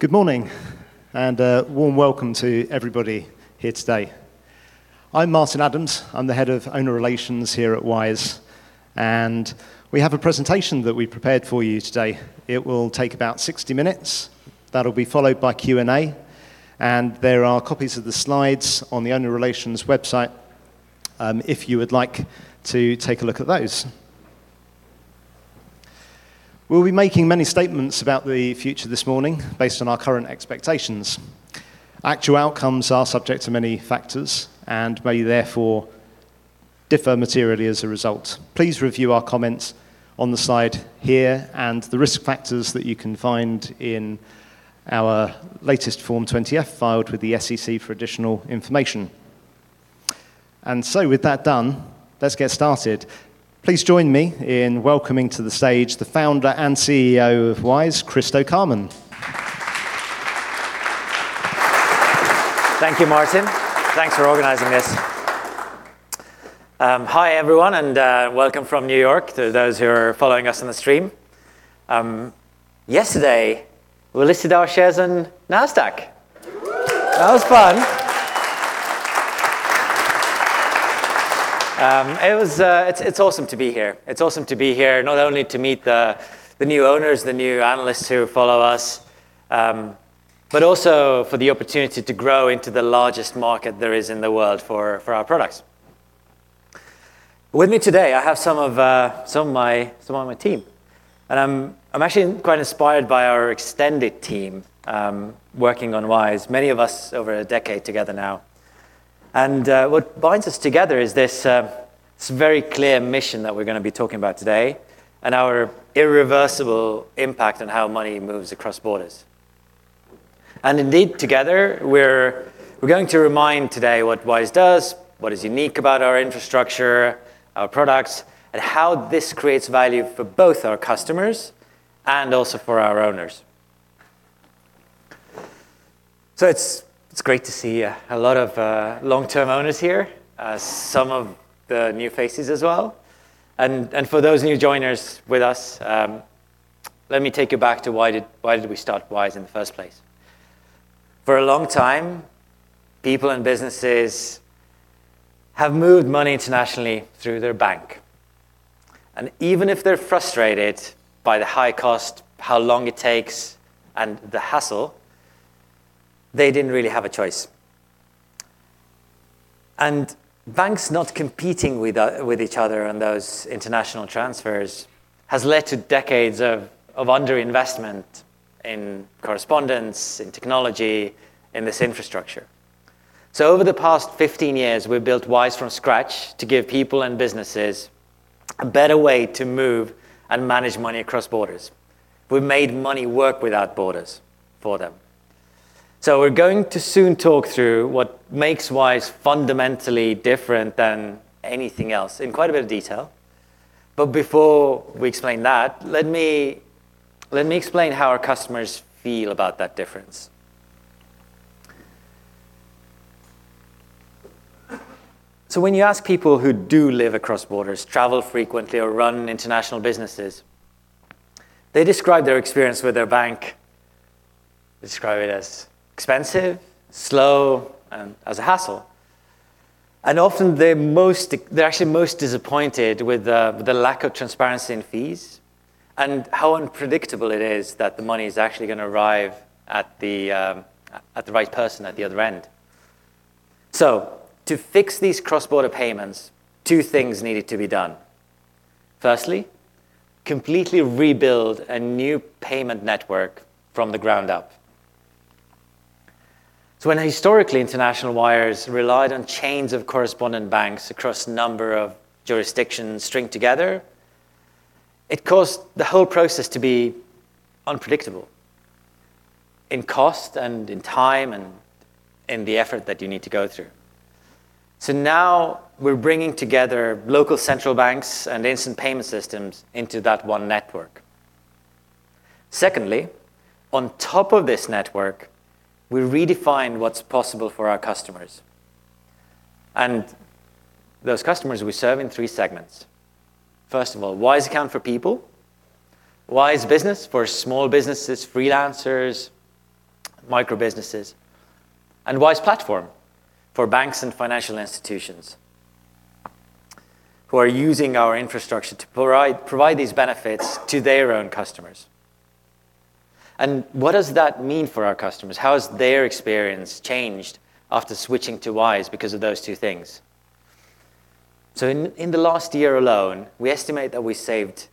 Good morning, a warm welcome to everybody here today. I'm Martin Adams. I'm the Head of Owner Relations here at Wise. We have a presentation that we prepared for you today. It will take about 60 minutes. That'll be followed by Q&A. There are copies of the slides on the Owner Relations website if you would like to take a look at those. We'll be making many statements about the future this morning based on our current expectations. Actual outcomes are subject to many factors and may therefore differ materially as a result. Please review our comments on the slide here and the risk factors that you can find in our latest Form 20-F filed with the SEC for additional information. With that done, let's get started. Please join me in welcoming to the stage the Founder and CEO of Wise, Kristo Käärmann. Thank you, Martin. Thanks for organizing this. Hi everyone, and welcome from New York to those who are following us on the stream. Yesterday we listed our shares on Nasdaq. That was fun. It was awesome to be here. It's awesome to be here, not only to meet the new owners, the new analysts who follow us, but also for the opportunity to grow into the largest market there is in the world for our products. With me today, I have some of my team and I'm actually quite inspired by our extended team, working on Wise, many of us over a decade together now. What binds us together is this very clear mission that we're going to be talking about today and our irreversible impact on how money moves across borders. Together we're going to remind today what Wise does, what is unique about our infrastructure, our products, and how this creates value for both our customers and also for our owners. It's great to see a lot of long-term owners here, some of the new faces as well. For those new joiners with us, let me take you back to why did we start Wise in the first place? For a long time, people and businesses have moved money internationally through their bank, and even if they're frustrated by the high cost, how long it takes, and the hassle, they didn't really have a choice. Banks not competing with each other on those international transfers has led to decades of underinvestment in correspondence, in technology, in this infrastructure. Over the past 15 years, we've built Wise from scratch to give people and businesses a better way to move and manage money across borders. We've made money work without borders for them. We're going to soon talk through what makes Wise fundamentally different than anything else in quite a bit of detail. Before we explain that, let me explain how our customers feel about that difference. When you ask people who do live across borders, travel frequently or run international businesses, they describe their experience with their bank, describe it as expensive, slow, and as a hassle. Often they're actually most disappointed with the lack of transparency and fees and how unpredictable it is that the money is actually gonna arrive at the right person at the other end. To fix these cross-border payments, two things needed to be done. Firstly, completely rebuild a new payment network from the ground up. When historically international wires relied on chains of correspondent banks across a number of jurisdictions stringed together, it caused the whole process to be unpredictable in cost and in time and in the effort that you need to go through. Now we're bringing together local central banks and instant payment systems into that one network. Secondly, on top of this network, we redefine what's possible for our customers and those customers we serve in three segments. First of all, Wise Account for people, Wise Business for small businesses, freelancers, micro businesses, and Wise Platform for banks and financial institutions who are using our infrastructure to provide these benefits to their own customers. What does that mean for our customers? How has their experience changed after switching to Wise because of those two things? In the last year alone, we estimate that we saved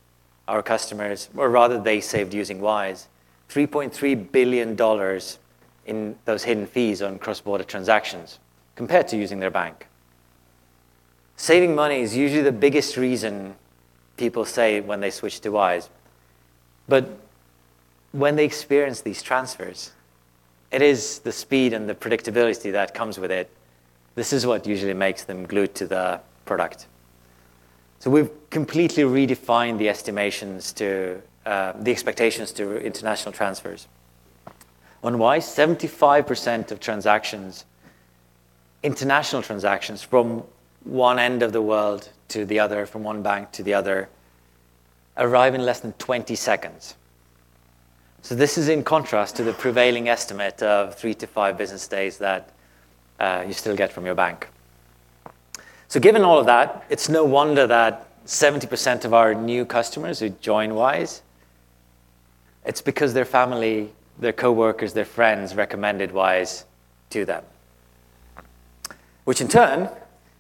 our customers, or rather they saved using Wise, $3.3 billion in those hidden fees on cross-border transactions compared to using their bank. Saving money is usually the biggest reason people say when they switch to Wise, but when they experience these transfers, it is the speed and the predictability that comes with it. This is what usually makes them glued to the product. We've completely redefined the expectations to international transfers. On Wise, 75% of transactions, international transactions from one end of the world to the other, from one bank to the other arrive in less than 20 seconds. This is in contrast to the prevailing estimate of three-five business days that you still get from your bank. Given all of that, it's no wonder that 70% of our new customers who join Wise, it's because their family, their coworkers, their friends recommended Wise to them. Which in turn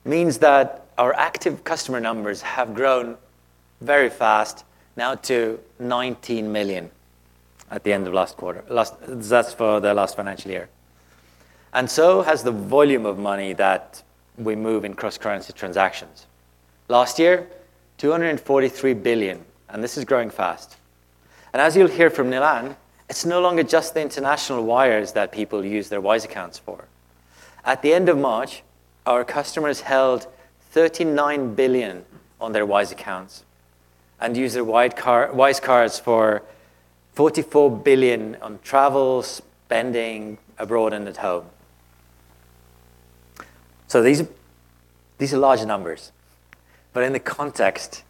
means that our active customer numbers have grown very fast now to 19 million at the end of last quarter. That's for the last financial year. Has the volume of money that we move in cross-currency transactions. Last year, 243 billion, and this is growing fast. As you'll hear from Nilan, it's no longer just the international wires that people use their Wise Accounts for. At the end of March, our customers held 39 billion on their Wise Accounts and used their Wise cards for 44 billion on travel, spending abroad and at home. These are large numbers. In the context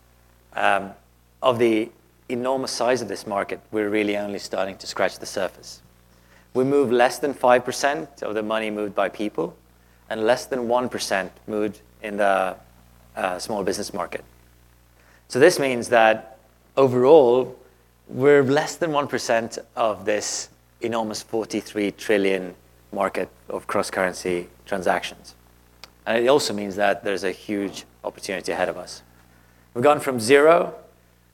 of the enormous size of this market, we're really only starting to scratch the surface. We move less than 5% of the money moved by people and less than 1% moved in the small business market. This means that overall, we're less than 1% of this enormous 43 trillion market of cross-currency transactions. It also means that there's a huge opportunity ahead of us. We've gone from zero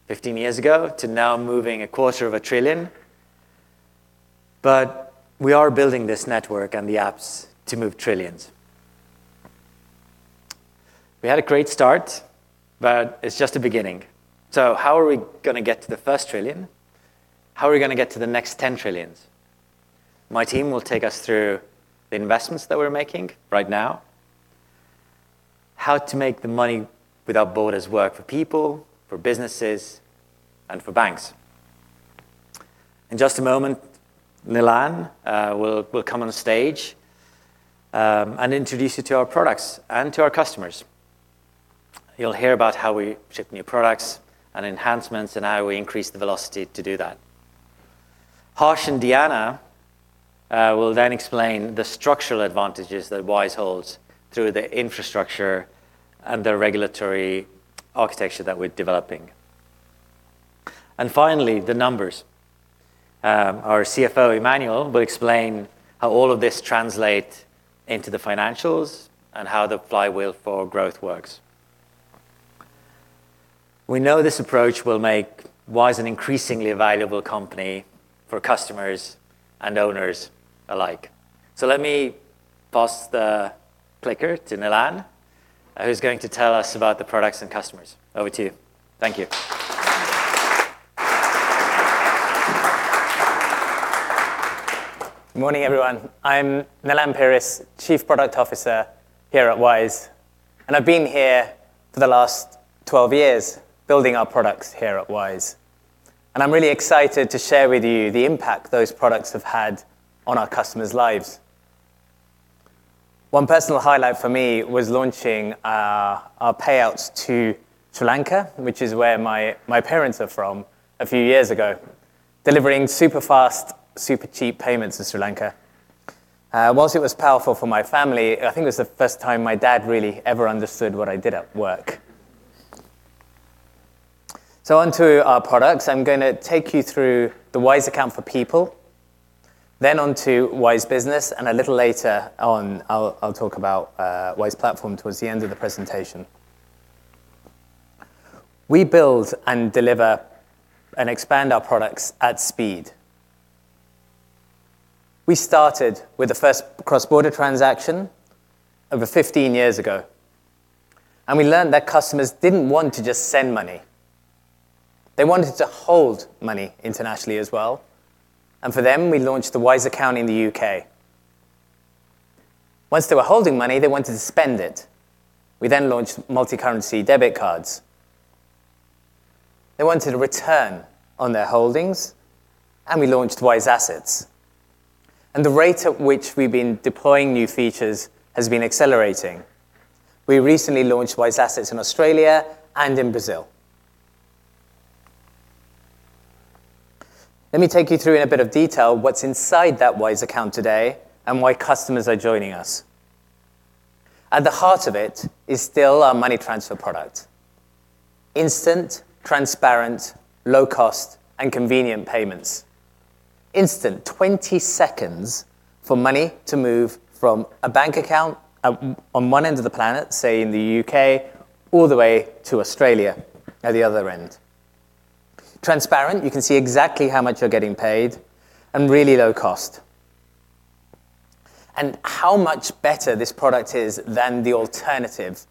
15 years ago to now moving a quarter of a trillion. We are building this network and the apps to move trillions. We had a great start, but it's just the beginning. How are we going to get to the 1st trillion? How are we going to get to the next 10 trillions? My team will take us through the investments that we're making right now, how to make the money without borders work for people, for businesses, and for banks. In just a moment, Nilan Peiris will come on stage and introduce you to our products and to our customers. You'll hear about how we ship new products and enhancements and how we increase the velocity to do that. Harsh and Diana Avila will then explain the structural advantages that Wise holds through the infrastructure and the regulatory architecture that we're developing. Finally, the numbers. Our CFO, Emmanuel, will explain how all of this translate into the financials and how the flywheel for growth works. We know this approach will make Wise an increasingly valuable company for customers and owners alike. Let me pass the clicker to Nilan, who's going to tell us about the products and customers. Over to you. Thank you. Morning, everyone. I'm Nilan Peiris, Chief Product Officer here at Wise. I've been here for the last 12 years building our products here at Wise. I'm really excited to share with you the impact those products have had on our customers' lives. One personal highlight for me was launching our payouts to Sri Lanka, which is where my parents are from, a few years ago, delivering super fast, super cheap payments to Sri Lanka. Whilst it was powerful for my family, I think it was the first time my dad really ever understood what I did at work. Onto our products. I'm gonna take you through the Wise Account for people, then onto Wise Business. A little later on, I'll talk about Wise Platform towards the end of the presentation. We build and deliver and expand our products at speed. We started with the first cross-border transaction over 15 years ago. We learned that customers didn't want to just send money. They wanted to hold money internationally as well. For them, we launched the Wise Account in the U.K. Once they were holding money, they wanted to spend it. We then launched multi-currency debit cards. They wanted a return on their holdings. We launched Wise Assets. The rate at which we've been deploying new features has been accelerating. We recently launched Wise Assets in Australia and in Brazil. Let me take you through in a bit of detail what's inside that Wise Account today and why customers are joining us. At the heart of it is still our money transfer product. Instant, transparent, low cost, and convenient payments. Instant, 20 seconds for money to move from a bank account on one end of the planet, say in the U.K., all the way to Australia at the other end. Transparent, you can see exactly how much you are getting paid and really low cost. How much better this product is than the alternative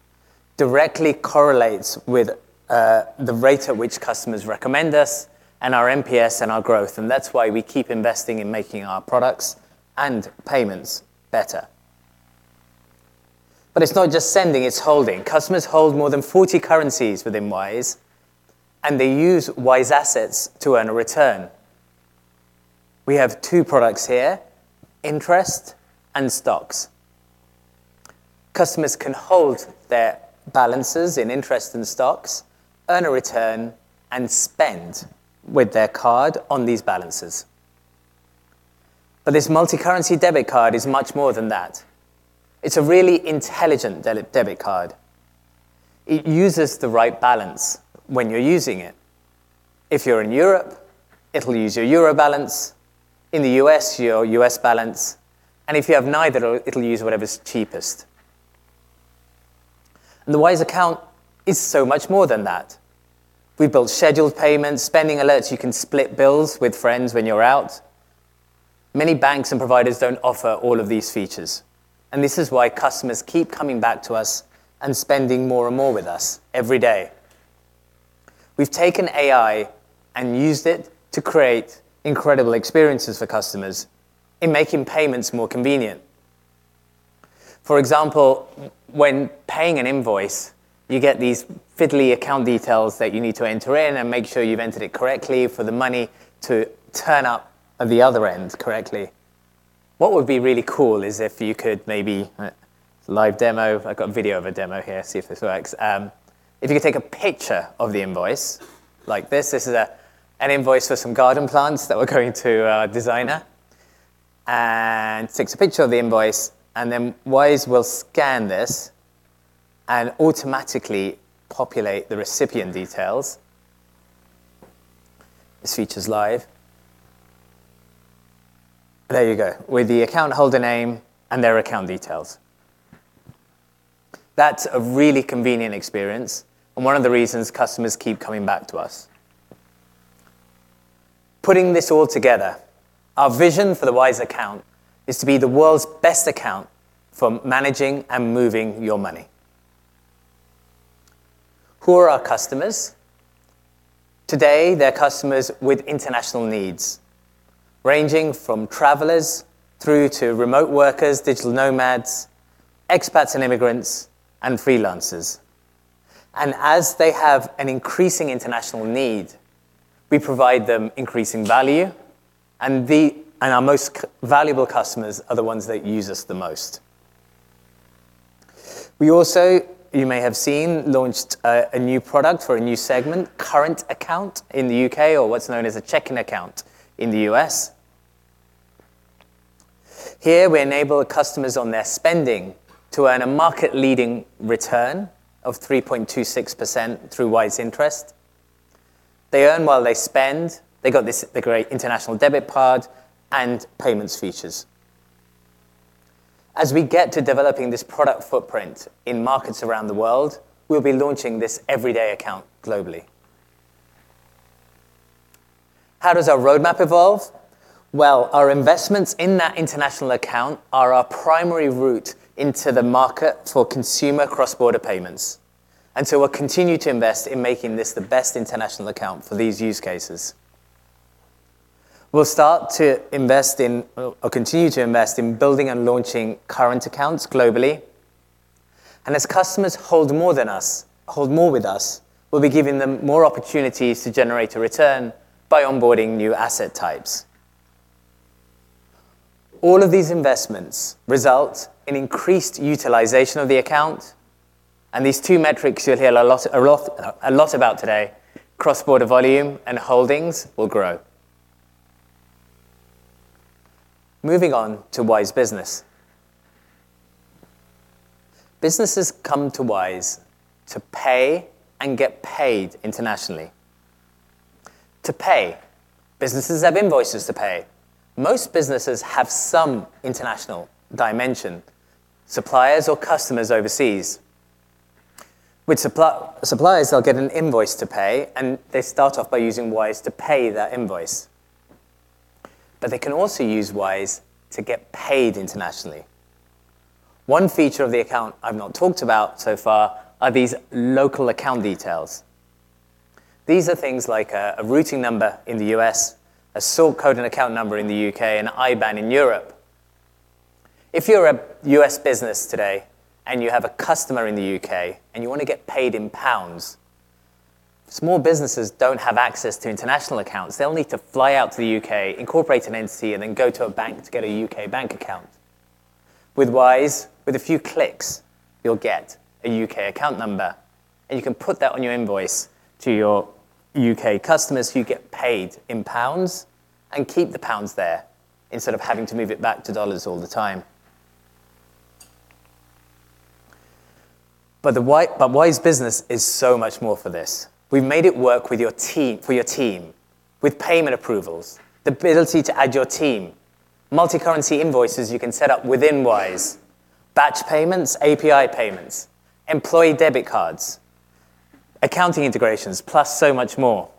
directly correlates with the rate at which customers recommend us and our NPS and our growth, That is why we keep investing in making our products and payments better. It is not just sending, it is holding. Customers hold more than 40 currencies within Wise, They use Wise Assets to earn a return. We have two products here, Interest and Stocks. Customers can hold their balances in interest in stocks, earn a return, Spend with their card on these balances. This multi-currency debit card is much more than that. It's a really intelligent debit card. It uses the right balance when you're using it. If you're in Europe, it'll use your euro balance. In the U.S., your U.S. balance. If you have neither, it'll use whatever's cheapest. The Wise Account is so much more than that. We build scheduled payments, spending alerts. You can split bills with friends when you're out. Many banks and providers don't offer all of these features. This is why customers keep coming back to us and spending more and more with us every day. We've taken AI and used it to create incredible experiences for customers in making payments more convenient. For example, when paying an invoice, you get these fiddly account details that you need to enter in and make sure you've entered it correctly for the money to turn up at the other end correctly. What would be really cool is if you could maybe live demo. I've got video of a demo here. See if this works. If you could take a picture of the invoice like this. This is an invoice for some garden plants that we're giving to our designer. takes a picture of the invoice, and then Wise will scan this and automatically populate the recipient details with the account holder name and their account details. This feature's live. There you go. That's a really convenient experience. One of the reasons customers keep coming back to us. Putting this all together, our vision for the Wise Account is to be the world's best account for managing and moving your money. Who are our customers? Today, they're customers with international needs, ranging from travelers through to remote workers, digital nomads, expats and immigrants, and freelancers. As they have an increasing international need, we provide them increasing value, and our most valuable customers are the ones that use us the most. We also, you may have seen, launched a new product for a new segment, current account in the U.K., or what's known as a checking account in the U.S. Here, we enable customers on their spending to earn a market-leading return of 3.26% through Wise Interest. They earn while they spend. They got this, the great international debit card and payments features. As we get to developing this product footprint in markets around the world, we'll be launching this everyday account globally. How does our roadmap evolve? Well, our investments in that international account are our primary route into the market for consumer cross-border payments. We'll continue to invest in making this the best Wise Account for these use cases. We'll continue to invest in building and launching Wise Accounts globally. As customers hold more with us, we'll be giving them more opportunities to generate a return by onboarding new asset types. All of these investments result in increased utilization of the Wise Account, and these two metrics you'll hear a lot about today, cross-border volume and holdings will grow. Moving on to Wise Business. Businesses come to Wise to pay and get paid internationally. To pay, businesses have invoices to pay. Most businesses have some international dimension, suppliers or customers overseas. With suppliers, they'll get an invoice to pay, and they start off by using Wise to pay that invoice. They can also use Wise to get paid internationally. One feature of the account I've not talked about so far are these local account details. These are things like a routing number in the U.S., a sort code and account number in the U.K., an IBAN in Europe. If you're a U.S. business today and you have a customer in the U.K. and you want to get paid in pounds, small businesses don't have access to international accounts. They'll need to fly out to the U.K., incorporate an entity, and then go to a bank to get a U.K. bank account. With Wise, with a few clicks, you'll get a U.K. account number, and you can put that on your invoice to your U.K. customers who get paid in pounds and keep the pounds there instead of having to move it back to dollars all the time. Wise Business is so much more for this. We've made it work for your team, with payment approvals, the ability to add your team, multi-currency invoices you can set up within Wise, batch payments, API payments, employee debit cards, accounting integrations, plus so much more.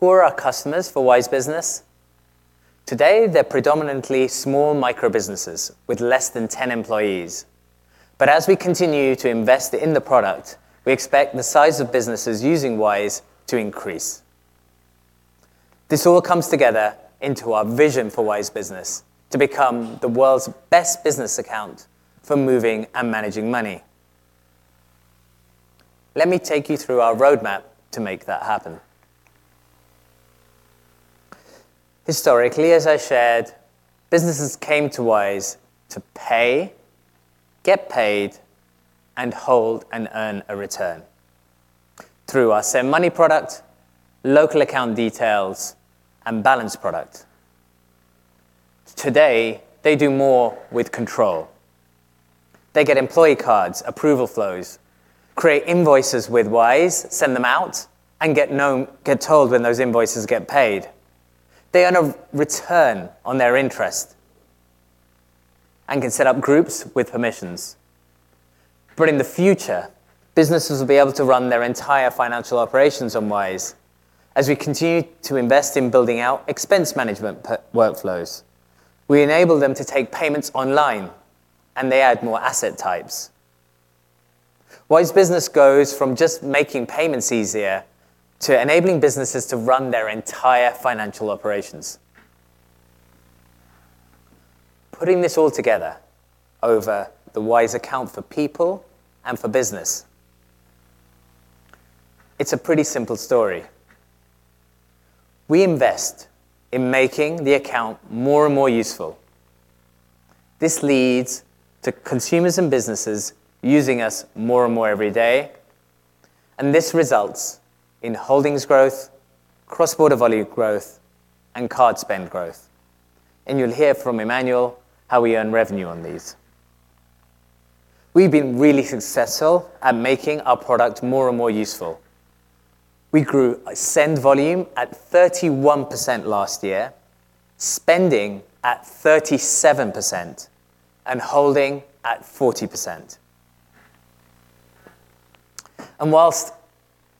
Who are our customers for Wise Business? Today, they're predominantly small micro-businesses with less than 10 employees. As we continue to invest in the product, we expect the size of businesses using Wise to increase. This all comes together into our vision for Wise Business, to become the world's best business account for moving and managing money. Let me take you through our roadmap to make that happen. Historically, as I shared, businesses came to Wise to pay, get paid, and hold and earn a return through our Send Money product, local account details, and Wise Account. Today, they do more with control. They get employee cards, approval flows, create invoices with Wise, send them out, and get told when those invoices get paid. They earn a return on their interest and can set up groups with permissions. In the future, businesses will be able to run their entire financial operations on Wise as we continue to invest in building out expense management workflows. We enable them to take payments online, and they add more asset types. Wise Business goes from just making payments easier to enabling businesses to run their entire financial operations. Putting this all together over the Wise Account for people and for business, it's a pretty simple story. We invest in making the account more and more useful. This leads to consumers and businesses using us more and more every day, and this results in holdings growth, cross-border volume growth, and card spend growth. You'll hear from Emmanuel how we earn revenue on these. We've been really successful at making our product more and more useful. We grew send volume at 31% last year, spending at 37%, and holding at 40%. Whilst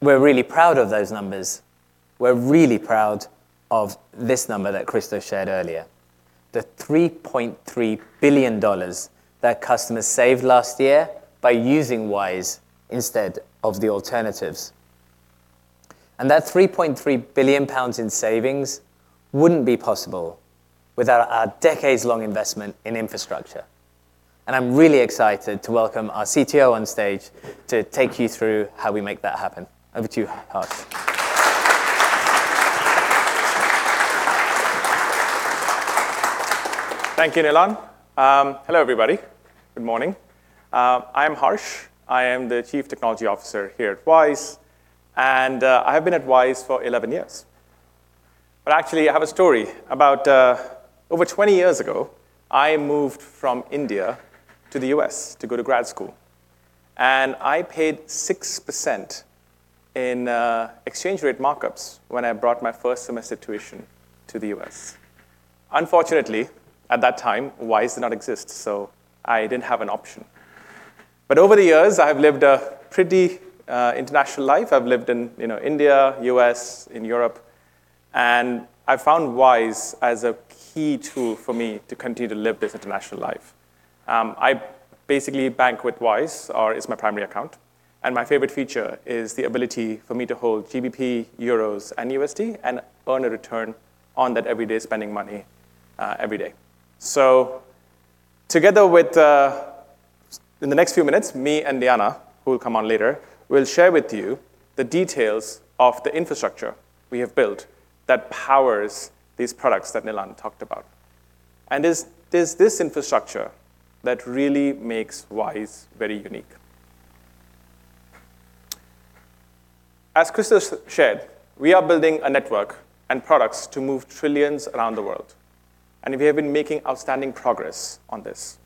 we're really proud of those numbers, we're really proud of this number that Kristo shared earlier. The $3.3 billion that customers saved last year by using Wise instead of the alternatives. That 3.3 billion pounds in savings wouldn't be possible without our decades-long investment in infrastructure. I'm really excited to welcome our CTO on stage to take you through how we make that happen. Over to you, Harsh. Thank you, Nilan. Hello, everybody. Good morning. I am Harsh. I am the Chief Technology Officer here at Wise, and I have been at Wise for 11 years. Actually, I have a story. About 20 years ago, I moved from India to the U.S. to go to grad school. I paid 6% in exchange rate markups when I brought my first semester tuition to the U.S. Unfortunately, at that time, Wise did not exist. I didn't have an option. Over the years, I've lived a pretty international life. I've lived in, you know, India, U.S., in Europe. I found Wise as a key tool for me to continue to live this international life. I basically bank with Wise, or it's my primary account, and my favorite feature is the ability for me to hold GBP, euros, and USD and earn a return on that everyday spending money every day. Together with, in the next few minutes, me and Diana Avila, who will come on later, will share with you the details of the infrastructure we have built that powers these products that Nilan Peiris talked about. And it's this infrastructure that really makes Wise very unique. As Kristo Käärmann shared, we are building a network and products to move trillions around the world, and we have been making outstanding progress on this.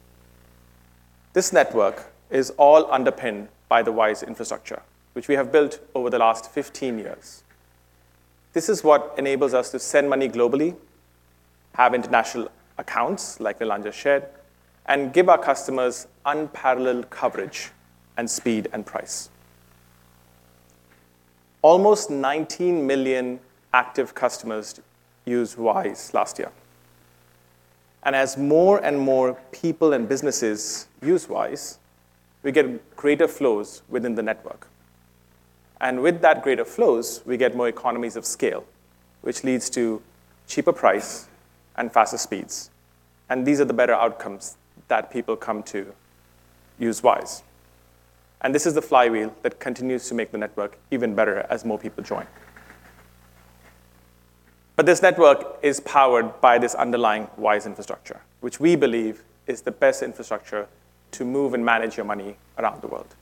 This network is all underpinned by the Wise infrastructure, which we have built over the last 15 years. This is what enables us to send money globally, have international accounts, like Nilan just shared, and give our customers unparalleled coverage and speed and price. Almost 19 million active customers used Wise last year. As more and more people and businesses use Wise, we get greater flows within the network. With that greater flows, we get more economies of scale, which leads to cheaper price and faster speeds. These are the better outcomes that people come to use Wise. This is the flywheel that continues to make the network even better as more people join. This network is powered by this underlying Wise infrastructure, which we believe is the best infrastructure to move and manage your money around the world.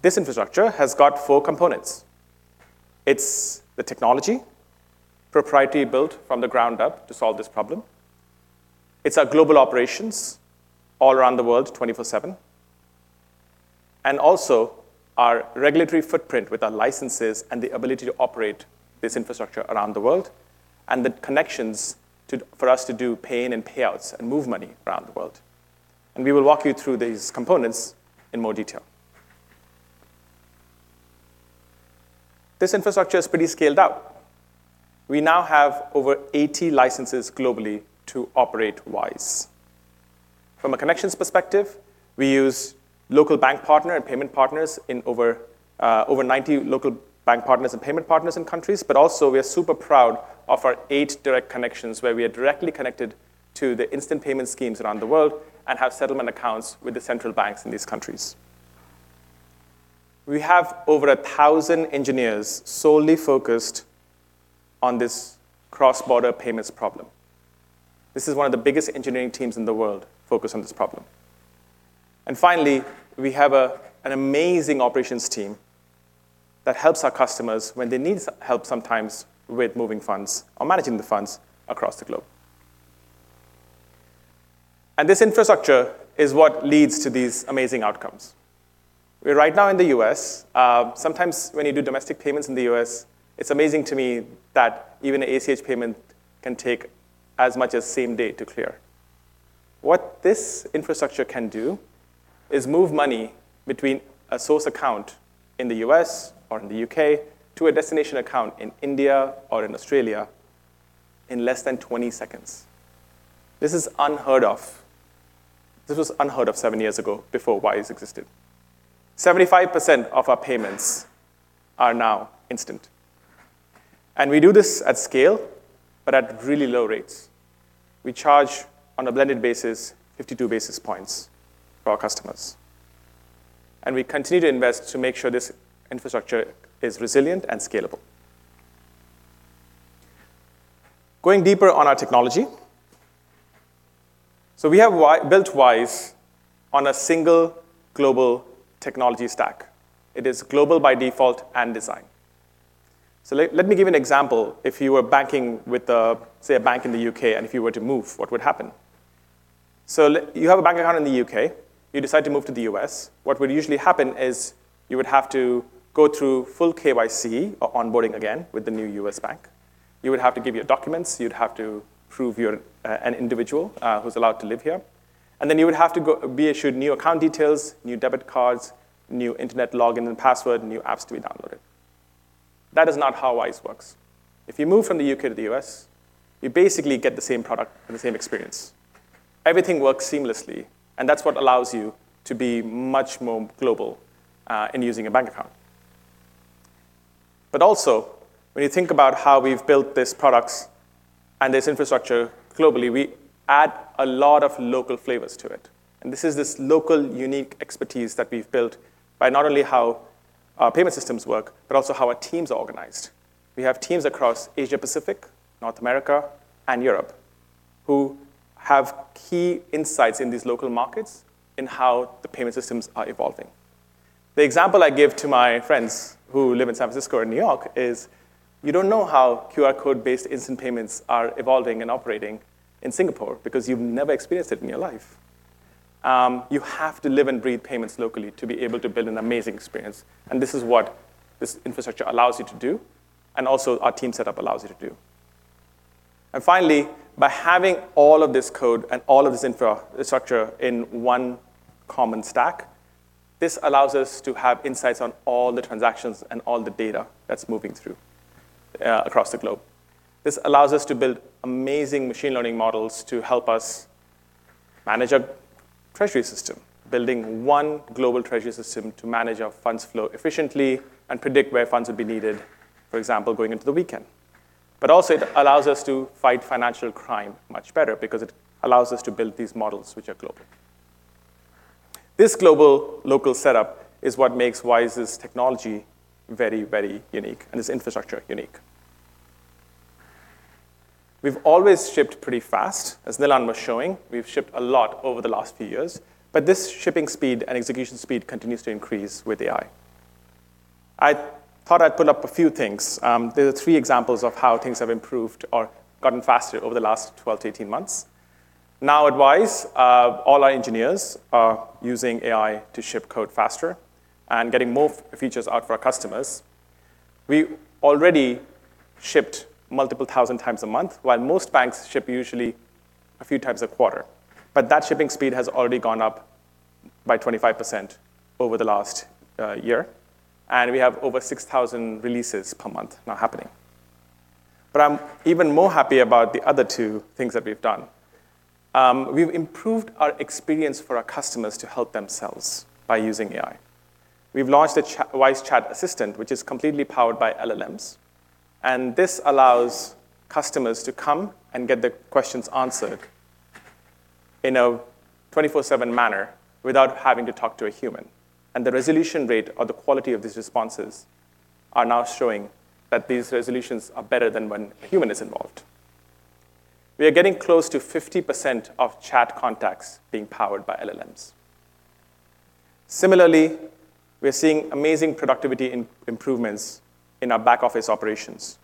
This infrastructure has got four components. It's the technology, proprietary built from the ground up to solve this problem. It's our global operations all around the world, 24/7. Also our regulatory footprint with our licenses and the ability to operate this infrastructure around the world and the connections for us to do payments and payouts and move money around the world. We will walk you through these components in more detail. This infrastructure is pretty scaled out. We now have over 80 licenses globally to operate Wise. From a connections perspective, we use local bank partner and payment partners in over 90 local bank partners and payment partners in countries. Also we are super proud of our eight direct connections where we are directly connected to the instant payment schemes around the world and have settlement accounts with the central banks in these countries. We have over 1,000 engineers solely focused on this cross-border payments problem. This is one of the biggest engineering teams in the world focused on this problem. Finally, we have an amazing operations team that helps our customers when they need help sometimes with moving funds or managing the funds across the globe. This infrastructure is what leads to these amazing outcomes. We're right now in the U.S. Sometimes when you do domestic payments in the U.S., it's amazing to me that even ACH payment can take as much as same day to clear. What this infrastructure can do is move money between a source account in the U.S. or in the U.K. to a destination account in India or in Australia in less than 20 seconds. This is unheard of. This was unheard of seven years ago before Wise existed. 75% of our payments are now instant, and we do this at scale, but at really low rates. We charge on a blended basis 52 basis points for our customers, and we continue to invest to make sure this infrastructure is resilient and scalable. Going deeper on our technology. We have built Wise on a single global technology stack. It is global by default and design. Let me give you an example. If you were banking with a, say, a bank in the U.K., and if you were to move, what would happen? Let You have a bank account in the U.K., you decide to move to the U.S. What would usually happen is you would have to go through full KYC or onboarding again with the new U.S. bank. You would have to give your documents. You'd have to prove you're an individual who's allowed to live here. You would have to go be issued new account details, new debit cards, new internet login and password, new apps to be downloaded. That is not how Wise works. If you move from the U.K. to the U.S., you basically get the same product and the same experience. Everything works seamlessly, and that's what allows you to be much more global in using a bank account. Also, when you think about how we've built these products and this infrastructure globally, we add a lot of local flavors to it, and this is this local unique expertise that we've built by not only how our payment systems work, but also how our teams are organized. We have teams across Asia-Pacific, North America, and Europe who have key insights in these local markets in how the payment systems are evolving. The example I give to my friends who live in San Francisco or New York is you don't know how QR code-based instant payments are evolving and operating in Singapore because you've never experienced it in your life. You have to live and breathe payments locally to be able to build an amazing experience, and this is what this infrastructure allows you to do, and also our team setup allows you to do. Finally, by having all of this code and all of this infrastructure in one common stack, this allows us to have insights on all the transactions and all the data that's moving through across the globe. This allows us to build amazing machine learning models to help us manage our treasury system, building one global treasury system to manage our funds flow efficiently and predict where funds will be needed, for example, going into the weekend. Also, it allows us to fight financial crime much better because it allows us to build these models which are global. This global-local setup is what makes Wise's technology very, very unique, and its infrastructure unique. We've always shipped pretty fast. As Nilan was showing, we've shipped a lot over the last few years, this shipping speed and execution speed continues to increase with AI. I thought I'd pull up a few things. These are three examples of how things have improved or gotten faster over the last 12 to 18 months. Now at Wise, all our engineers are using AI to ship code faster and getting more features out for our customers. We already shipped multiple 1,000 times a month, while most banks ship usually a few times a quarter. That shipping speed has already gone up by 25% over the last year, and we have over 6,000 releases per month now happening. I'm even more happy about the other two things that we've done. We've improved our experience for our customers to help themselves by using AI. We've launched a Wise Chat Assistant, which is completely powered by LLMs, and this allows customers to come and get their questions answered in a 24/7 manner without having to talk to a human. The resolution rate or the quality of these responses are now showing that these resolutions are better than when a human is involved. We are getting close to 50% of chat contacts being powered by LLMs. Similarly, we are seeing amazing productivity improvements in our back-office operations.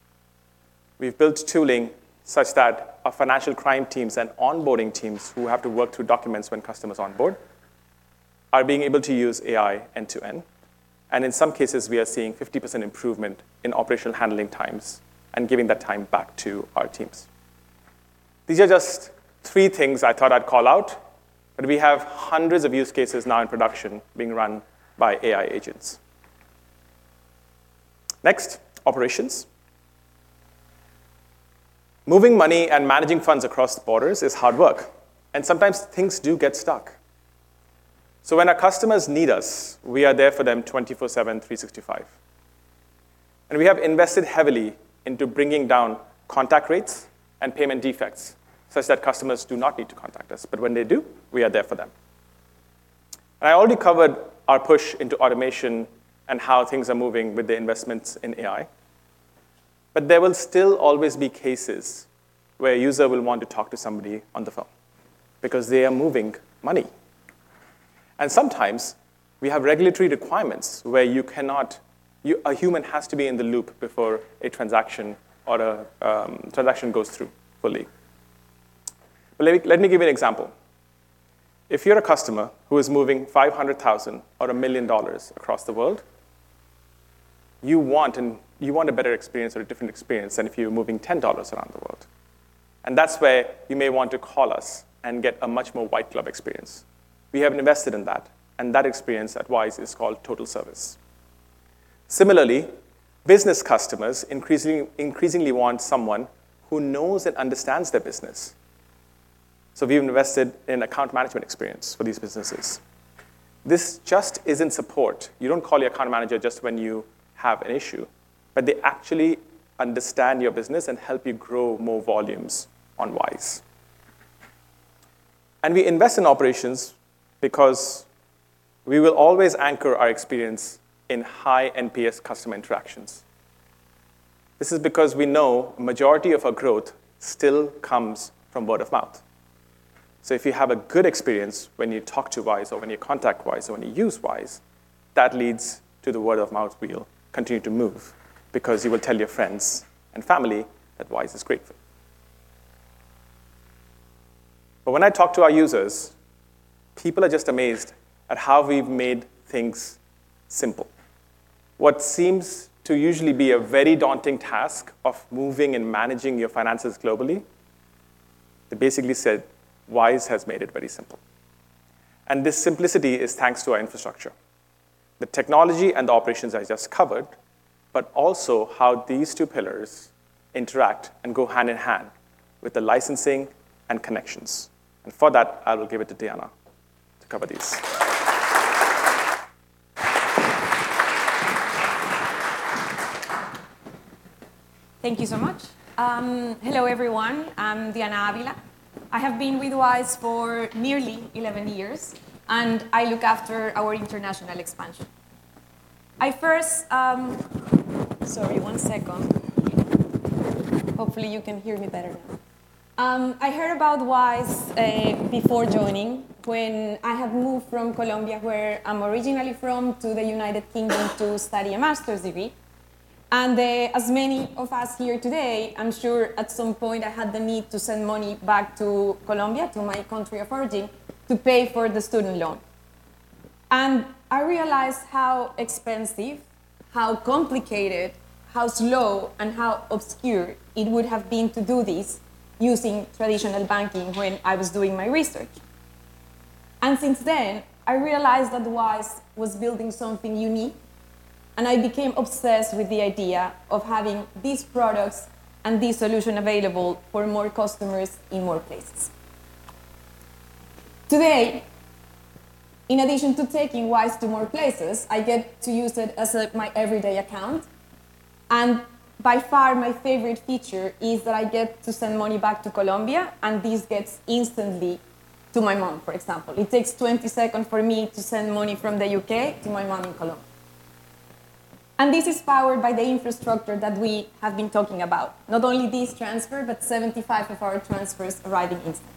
We've built tooling such that our financial crime teams and onboarding teams who have to work through documents when customers onboard are being able to use AI end-to-end, and in some cases, we are seeing 50% improvement in operational handling times and giving that time back to our teams. These are just three things I thought I'd call out, but we have hundreds of use cases now in production being run by AI agents. Next, operations. Moving money and managing funds across borders is hard work, and sometimes things do get stuck. When our customers need us, we are there for them 24/7, 365. We have invested heavily into bringing down contact rates and payment defects such that customers do not need to contact us, but when they do, we are there for them. I already covered our push into automation and how things are moving with the investments in AI. There will still always be cases where a user will want to talk to somebody on the phone because they are moving money. Sometimes we have regulatory requirements where a human has to be in the loop before a transaction or a transaction goes through fully. Let me give you an example. If you're a customer who is moving 500,000 or $1 million across the world, you want a better experience or a different experience than if you're moving $10 around the world. That's where you may want to call us and get a much more white glove experience. We have invested in that, and that experience at Wise is called Total Service. Similarly, business customers increasingly want someone who knows and understands their business. We've invested in account management experience for these businesses. This just isn't support. You don't call your account manager just when you have an issue, but they actually understand your business and help you grow more volumes on Wise. We invest in operations because we will always anchor our experience in high NPS customer interactions. This is because we know a majority of our growth still comes from word of mouth. If you have a good experience when you talk to Wise or when you contact Wise or when you use Wise, that leads to the word of mouth wheel continue to move because you will tell your friends and family that Wise is great. When I talk to our users, people are just amazed at how we've made things simple. What seems to usually be a very daunting task of moving and managing your finances globally, they basically said Wise has made it very simple. This simplicity is thanks to our infrastructure, the technology and the operations I just covered, but also how these two pillars interact and go hand in hand with the licensing and connections. For that, I will give it to Diana to cover these. Thank you so much. Hello, everyone. I'm Diana Avila. I have been with Wise for nearly 11 years, and I look after our international expansion. I first, Sorry, one second. Hopefully, you can hear me better now. I heard about Wise before joining when I had moved from Colombia, where I'm originally from, to the U.K. to study a master's degree. As many of us here today, I'm sure at some point I had the need to send money back to Colombia, to my country of origin, to pay for the student loan. I realized how expensive, how complicated, how slow, and how obscure it would have been to do this using traditional banking when I was doing my research. Since then, I realized that Wise was building something unique, and I became obsessed with the idea of having these products and this solution available for more customers in more places. Today, in addition to taking Wise to more places, I get to use it as my everyday account. By far, my favorite feature is that I get to send money back to Colombia, and this gets instantly to my mom, for example. It takes 20 seconds for me to send money from the U.K. to my mom in Colombia. This is powered by the infrastructure that we have been talking about, not only this transfer, but 75 of our transfers arriving instantly.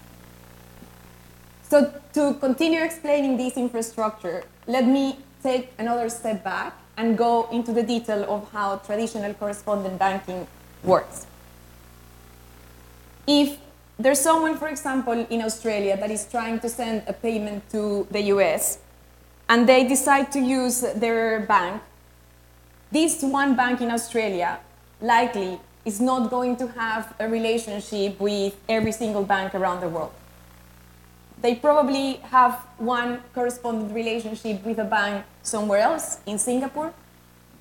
To continue explaining this infrastructure, let me take another step back and go into the detail of how traditional correspondent banking works. If there's someone, for example, in Australia that is trying to send a payment to the U.S. and they decide to use their bank, this one bank in Australia likely is not going to have a relationship with every single bank around the world. They probably have one correspondent relationship with a bank somewhere else in Singapore.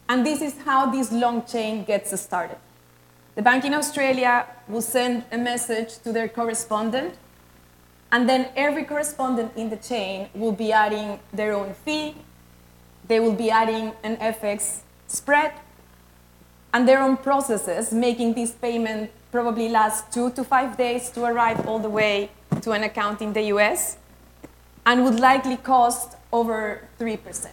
This is how this long chain gets started. The bank in Australia will send a message to their correspondent. Then every correspondent in the chain will be adding their own fee. They will be adding an FX spread and their own processes, making this payment probably last two to five days to arrive all the way to an account in the U.S. and would likely cost over 3%.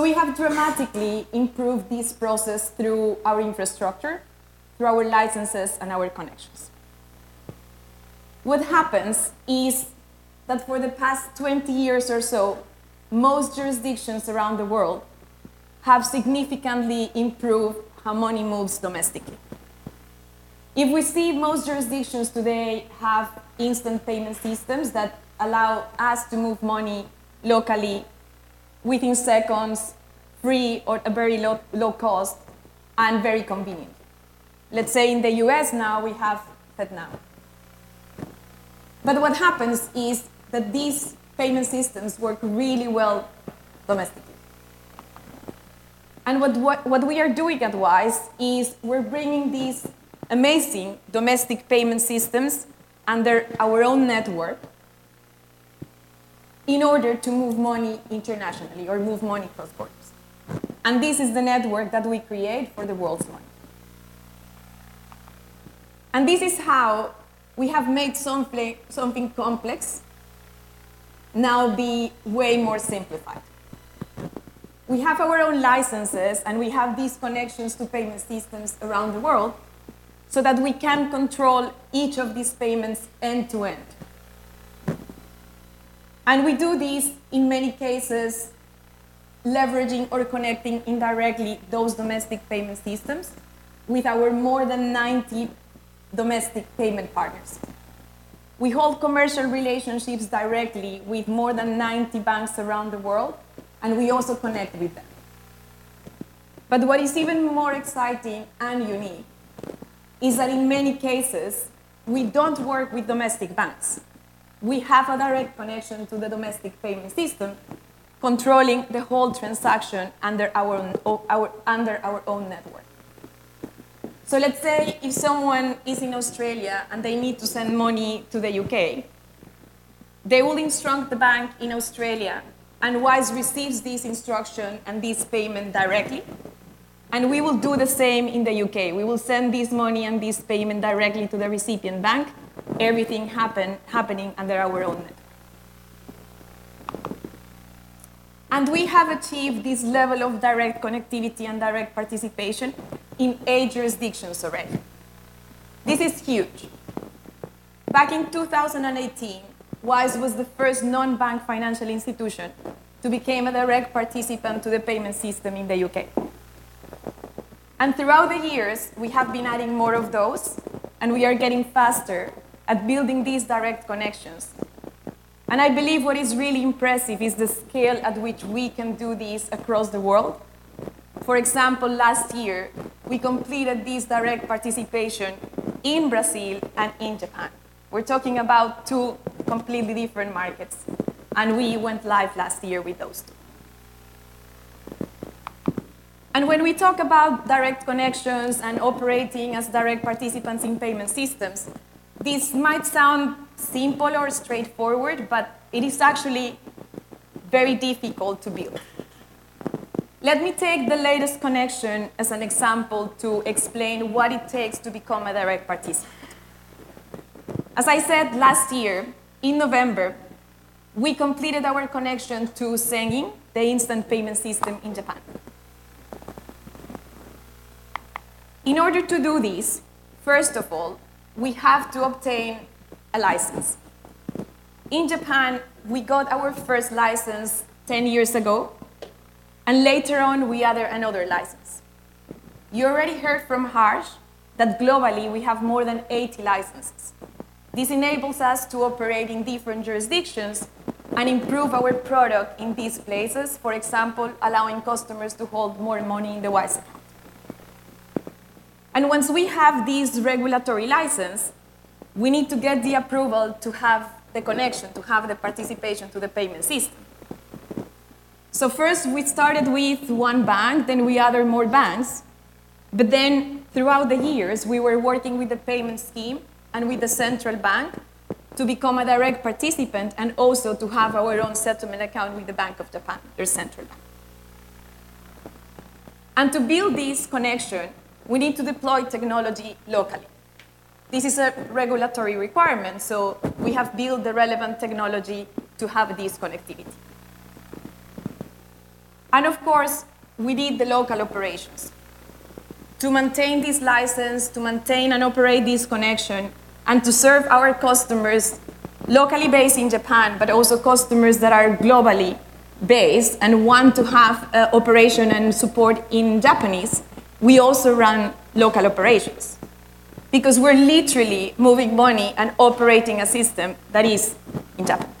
We have dramatically improved this process through our infrastructure, through our licenses and our connections. What happens is that for the past 20 years or so, most jurisdictions around the world have significantly improved how money moves domestically. If we see most jurisdictions today have instant payment systems that allow us to move money locally within seconds, free or a very low cost and very convenient. Let's say in the U.S. now we have FedNow. What happens is that these payment systems work really well domestically. What we are doing at Wise is we're bringing these amazing domestic payment systems under our own network in order to move money internationally or move money cross-borders. This is the network that we create for the world's money. This is how we have made something complex now be way more simplified. We have our own licenses. We have these connections to payment systems around the world so that we can control each of these payments end to end. We do this in many cases leveraging or connecting indirectly those domestic payment systems with our more than 90 domestic payment partners. We hold commercial relationships directly with more than 90 banks around the world, and we also connect with them. What is even more exciting and unique is that in many cases, we don't work with domestic banks. We have a direct connection to the domestic payment system, controlling the whole transaction under our own network. Let's say if someone is in Australia and they need to send money to the U.K., they will instruct the bank in Australia. Wise receives this instruction and this payment directly. We will do the same in the U.K. We will send this money and this payment directly to the recipient bank, everything happening under our own network. We have achieved this level of direct connectivity and direct participation in eight jurisdictions already. This is huge. Back in 2018, Wise was the first non-bank financial institution to became a direct participant to the payment system in the U.K. Throughout the years, we have been adding more of those, and we are getting faster at building these direct connections. I believe what is really impressive is the scale at which we can do this across the world. For example, last year, we completed this direct participation in Brazil and in Japan. We are talking about two completely different markets, we went live last year with those two. When we talk about direct connections and operating as direct participants in payment systems, this might sound simple or straightforward, but it is actually very difficult to build. Let me take the latest connection as an example to explain what it takes to become a direct participant. As I said, last year, in November, we completed our connection to Zengin, the instant payment system in Japan. In order to do this, first of all, we have to obtain a license. In Japan, we got our first license 10 years ago, later on, we added another license. You already heard from Harsh that globally we have more than 80 licenses. This enables us to operate in different jurisdictions and improve our product in these places, for example, allowing customers to hold more money in the Wise Account. Once we have this regulatory license, we need to get the approval to have the connection, to have the participation to the payment system. First, we started with one bank, then we added more banks. Throughout the years, we were working with the payment scheme and with the central bank to become a direct participant and also to have our own settlement account with the Bank of Japan, their central bank. To build this connection, we need to deploy technology locally. This is a regulatory requirement, so we have built the relevant technology to have this connectivity. Of course, we need the local operations. To maintain this license, to maintain and operate this connection, and to serve our customers locally based in Japan, but also customers that are globally based and want to have, operation and support in Japanese, we also run local operations because we're literally moving money and operating a system that is in Japanese.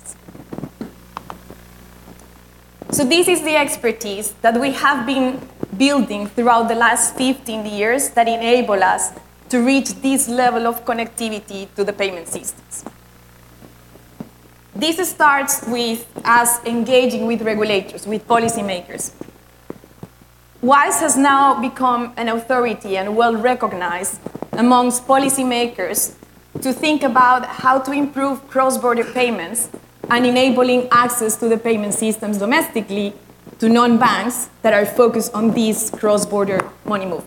This is the expertise that we have been building throughout the last 15 years that enable us to reach this level of connectivity to the payment systems. This starts with us engaging with regulators, with policymakers. Wise has now become an authority and well-recognized amongst policymakers to think about how to improve cross-border payments and enabling access to the payment systems domestically to non-banks that are focused on these cross-border money movement.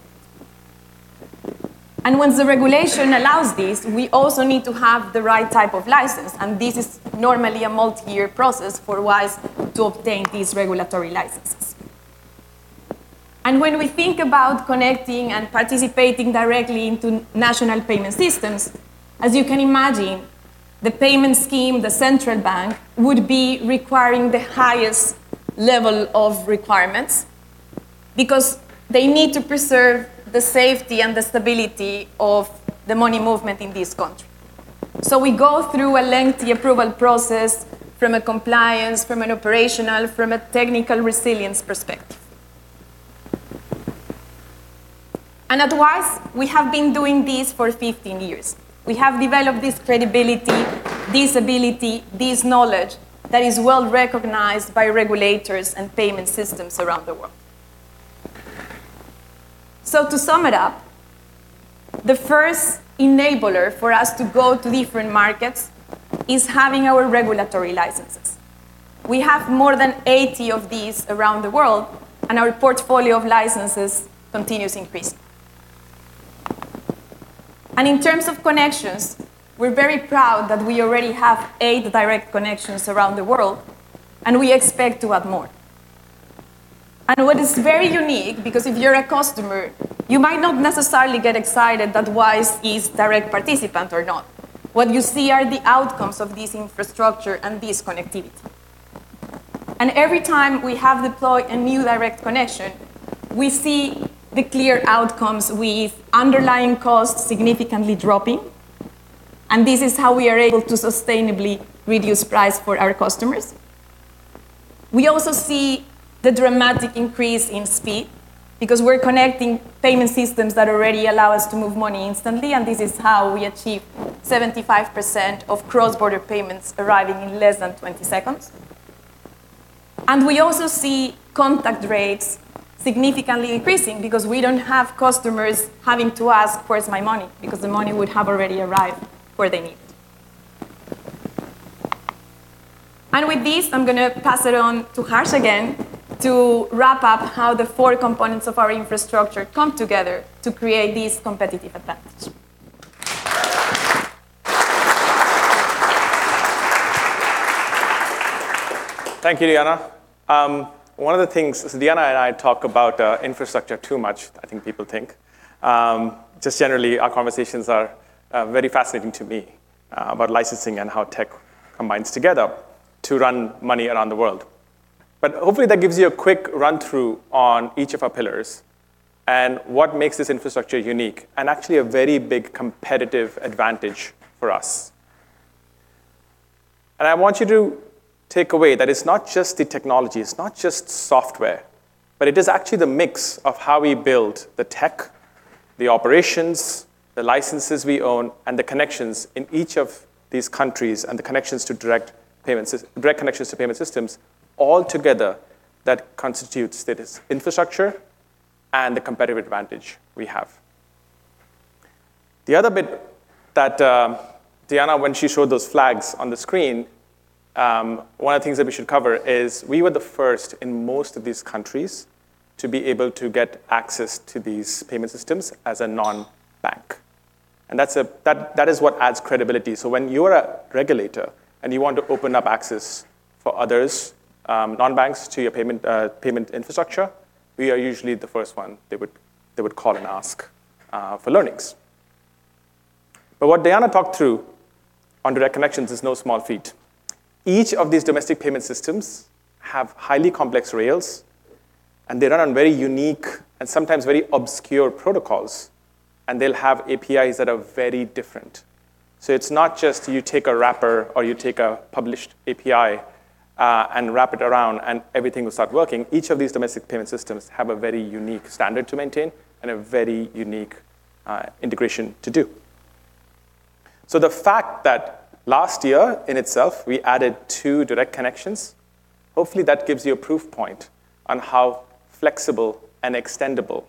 Once the regulation allows this, we also need to have the right type of license, and this is normally a multi-year process for Wise to obtain these regulatory licenses. When we think about connecting and participating directly into national payment systems, as you can imagine, the payment scheme, the central bank would be requiring the highest level of requirements because they need to preserve the safety and the stability of the money movement in this country. We go through a lengthy approval process from a compliance, from an operational, from a technical resilience perspective. At Wise, we have been doing this for 15 years. We have developed this credibility, this ability, this knowledge that is well-recognized by regulators and payment systems around the world. To sum it up, the first enabler for us to go to different markets is having our regulatory licenses. We have more than 80 of these around the world. Our portfolio of licenses continues to increase. In terms of connections, we're very proud that we already have eight direct connections around the world, and we expect to have more. What is very unique, because if you're a customer, you might not necessarily get excited that Wise is direct participant or not. What you see are the outcomes of this infrastructure and this connectivity. Every time we have deployed a new direct connection, we see the clear outcomes with underlying costs significantly dropping, and this is how we are able to sustainably reduce price for our customers. We also see the dramatic increase in speed because we're connecting payment systems that already allow us to move money instantly, and this is how we achieve 75% of cross-border payments arriving in less than 20 seconds. We also see contact rates significantly increasing because we don't have customers having to ask, "Where's my money?" Because the money would have already arrived where they need. With this, I'm gonna pass it on to Harsh again to wrap up how the four components of our infrastructure come together to create these competitive advantage. Thank you, Diana. One of the things So Diana and I talk about infrastructure too much, I think people think. Just generally, our conversations are very fascinating to me about licensing and how tech combines together to run money around the world. Hopefully that gives you a quick run-through on each of our pillars and what makes this infrastructure unique and actually a very big competitive advantage for us. I want you to take away that it's not just the technology, it's not just software, but it is actually the mix of how we build the tech, the operations, the licenses we own, and the connections in each of these countries, and the direct connections to payment systems all together that constitutes this infrastructure and the competitive advantage we have. The other bit that Diana, when she showed those flags on the screen, one of the things that we should cover is we were the first in most of these countries to be able to get access to these payment systems as a non-bank. That is what adds credibility. When you're a regulator and you want to open up access for others, non-banks to your payment infrastructure, we are usually the first one they would call and ask for learnings. What Diana talked through on direct connections is no small feat. Each of these domestic payment systems have highly complex rails, and they run on very unique and sometimes very obscure protocols, and they'll have APIs that are very different. It's not just you take a wrapper or you take a published API and wrap it around and everything will start working. Each of these domestic payment systems have a very unique standard to maintain and a very unique integration to do. The fact that last year in itself we added two direct connections, hopefully that gives you a proof point on how flexible and extendable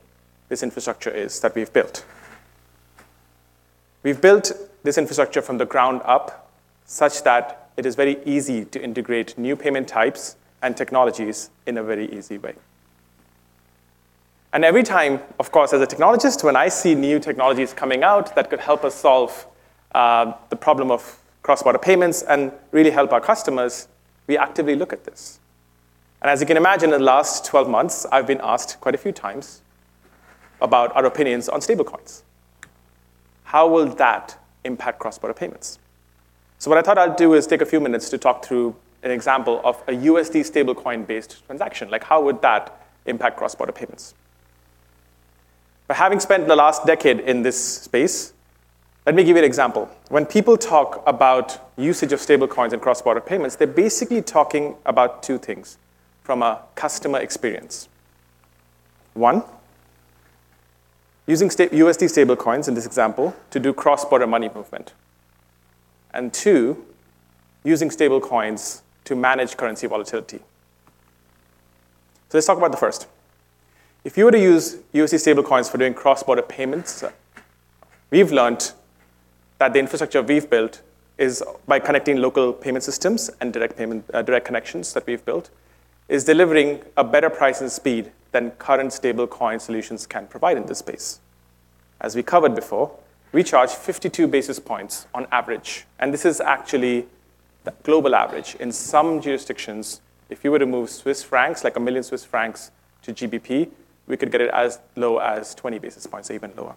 this infrastructure is that we've built. We've built this infrastructure from the ground up such that it is very easy to integrate new payment types and technologies in a very easy way. Every time, of course, as a technologist, when I see new technologies coming out that could help us solve the problem of cross-border payments and really help our customers, we actively look at this. As you can imagine, in the last 12 months, I've been asked quite a few times about our opinions on stablecoins. How will that impact cross-border payments? What I thought I'd do is take a few minutes to talk through an example of a USD stablecoin-based transaction, like how would that impact cross-border payments? Having spent the last decade in this space, let me give you an example. When people talk about usage of stablecoins in cross-border payments, they're basically talking about two things from a customer experience. One, using USD stablecoins in this example to do cross-border money movement, and two, using stablecoins to manage currency volatility. Let's talk about the first. If you were to use USD stablecoins for doing cross-border payments, we've learnt that the infrastructure we've built is by connecting local payment systems and direct payment, direct connections that we've built, is delivering a better price and speed than current stablecoin solutions can provide in this space. As we covered before, we charge 52 basis points on average, and this is actually the global average. In some jurisdictions, if you were to move Swiss francs, like 1 million Swiss francs to GBP, we could get it as low as 20 basis points or even lower.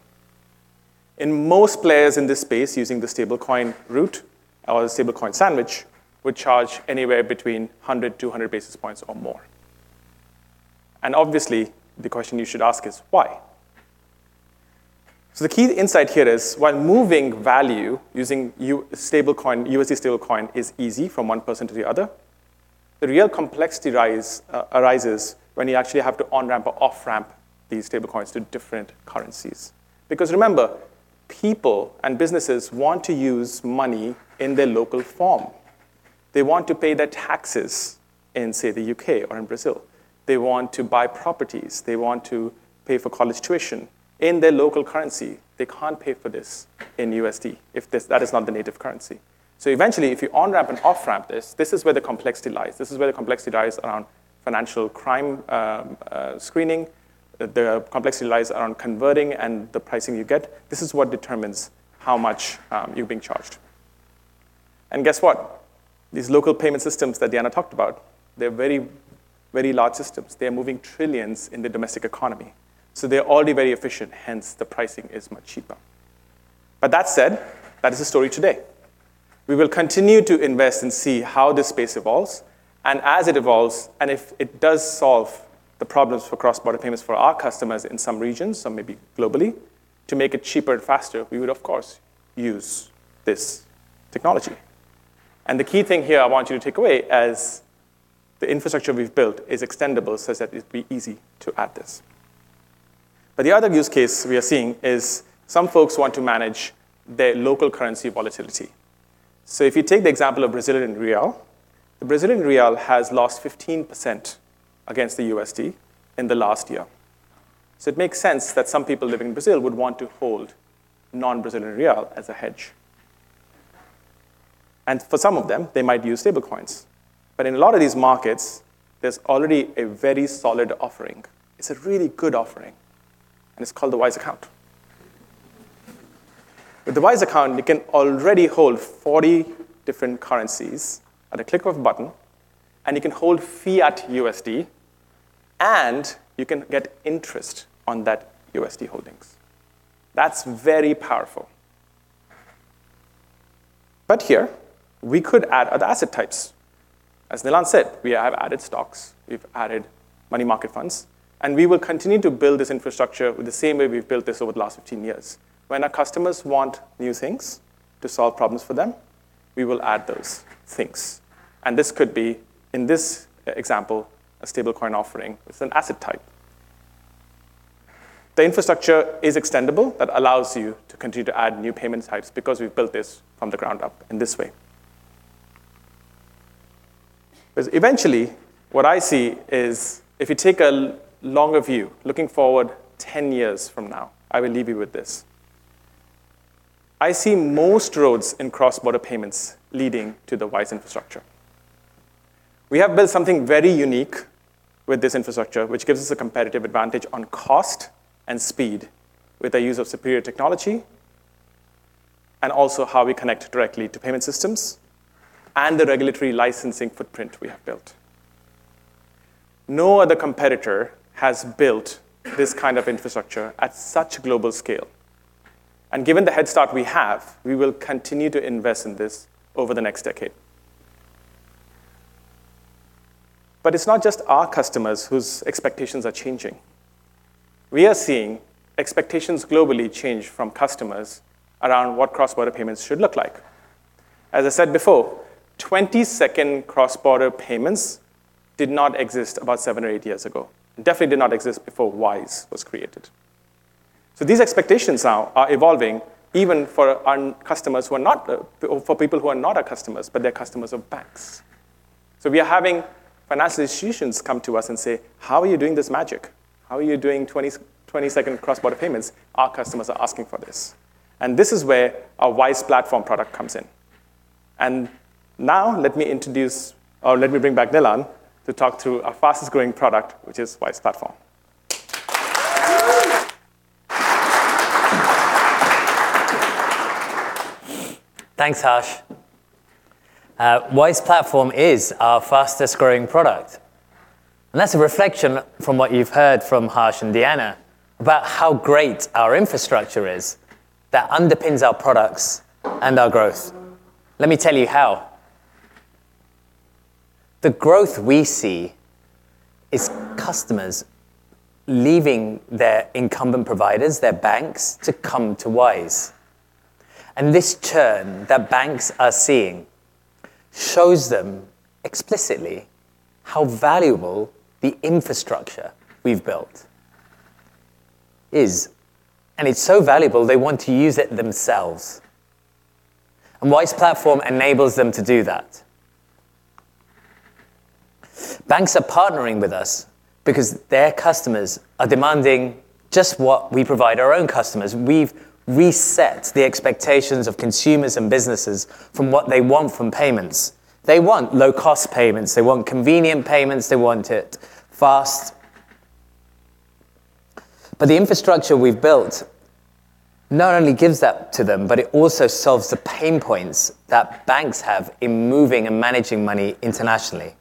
In most players in this space using the stablecoin route or the stablecoin sandwich would charge anywhere between 100-200 basis points or more. Obviously, the question you should ask is why. The key insight here is while moving value using stablecoin, USD stablecoin is easy from one person to the other. The real complexity arises when you actually have to on-ramp or off-ramp these stablecoins to different currencies. Remember, people and businesses want to use money in their local form. They want to pay their taxes in, say, the U.K. or in Brazil. They want to buy properties, they want to pay for college tuition in their local currency. They can't pay for this in USD if this that is not the native currency. Eventually, if you on-ramp and off-ramp this is where the complexity lies. This is where the complexity lies around financial crime screening. The complexity lies around converting and the pricing you get. This is what determines how much you're being charged. Guess what? These local payment systems that Diana Avila talked about, they're very, very large systems. They're moving trillions in the domestic economy, so they're already very efficient, hence the pricing is much cheaper. That said, that is the story today. We will continue to invest and see how this space evolves. As it evolves, and if it does solve the problems for cross-border payments for our customers in some regions, some maybe globally, to make it cheaper and faster, we would of course use this technology. The key thing here I want you to take away as the infrastructure we've built is extendable, so as that it'd be easy to add this. The other use case we are seeing is some folks want to manage their local currency volatility. If you take the example of Brazilian real, the Brazilian real has lost 15% against the USD in the last year. It makes sense that some people living in Brazil would want to hold non-Brazilian real as a hedge. For some of them, they might use stablecoins. In a lot of these markets, there's already a very solid offering. It's a really good offering, and it's called the Wise Account. With the Wise Account, you can already hold 40 different currencies at a click of a button, and you can hold fiat USD, and you can get interest on that USD holdings. That's very powerful. Here we could add other asset types. As Nilan said, we have added stocks, we've added money market funds. We will continue to build this infrastructure with the same way we've built this over the last 15 years. When our customers want new things to solve problems for them, we will add those things. This could be, in this example, a stablecoin offering. It's an asset type. The infrastructure is extendable that allows you to continue to add new payment types because we've built this from the ground up in this way. 'Cause eventually what I see is if you take a longer view, looking forward 10 years from now, I will leave you with this. I see most roads in cross-border payments leading to the Wise infrastructure. We have built something very unique with this infrastructure, which gives us a competitive advantage on cost and speed with the use of superior technology, and also how we connect directly to payment systems and the regulatory licensing footprint we have built. No other competitor has built this kind of infrastructure at such global scale. Given the head start we have, we will continue to invest in this over the next decade. It's not just our customers whose expectations are changing. We are seeing expectations globally change from customers around what cross-border payments should look like. As I said before, 20-second cross-border payments did not exist about seven or eight years ago, and definitely did not exist before Wise was created. These expectations now are evolving even for our customers, for people who are not our customers, but they're customers of banks. We are having financial institutions come to us and say, "How are you doing this magic? How are you doing 20-second cross-border payments? Our customers are asking for this." This is where our Wise Platform product comes in. Now let me introduce or let me bring back Nilan to talk through our fastest-growing product, which is Wise Platform. Thanks, Harsh. Wise Platform is our fastest-growing product, and that's a reflection from what you've heard from Harsh and Diana Avila about how great our infrastructure is that underpins our products and our growth. Let me tell you how. The growth we see is customers leaving their incumbent providers, their banks, to come to Wise. This churn that banks are seeing shows them explicitly how valuable the infrastructure we've built is, and it's so valuable they want to use it themselves. Wise Platform enables them to do that. Banks are partnering with us because their customers are demanding just what we provide our own customers. We've reset the expectations of consumers and businesses from what they want from payments. They want low-cost payments. They want convenient payments. They want it fast. The infrastructure we've built not only gives that to them, but it also solves the pain points that banks have in moving and managing money internationally.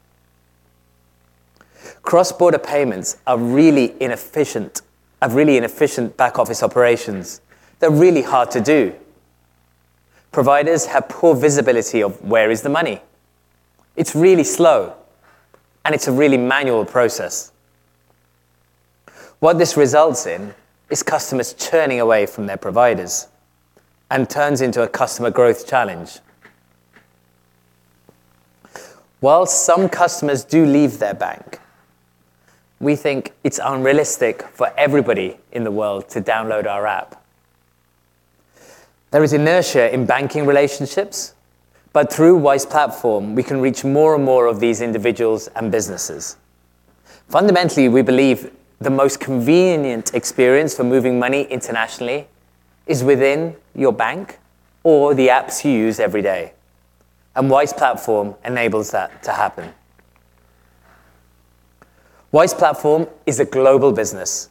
Cross-border payments are really inefficient, have really inefficient back office operations. They're really hard to do. Providers have poor visibility of where is the money. It's really slow, and it's a really manual process. What this results in is customers churning away from their providers and turns into a customer growth challenge. While some customers do leave their bank, we think it's unrealistic for everybody in the world to download our app. There is inertia in banking relationships, but through Wise Platform, we can reach more and more of these individuals and businesses. Fundamentally, we believe the most convenient experience for moving money internationally is within your bank or the apps you use every day, and Wise Platform enables that to happen. Wise Platform is a global business.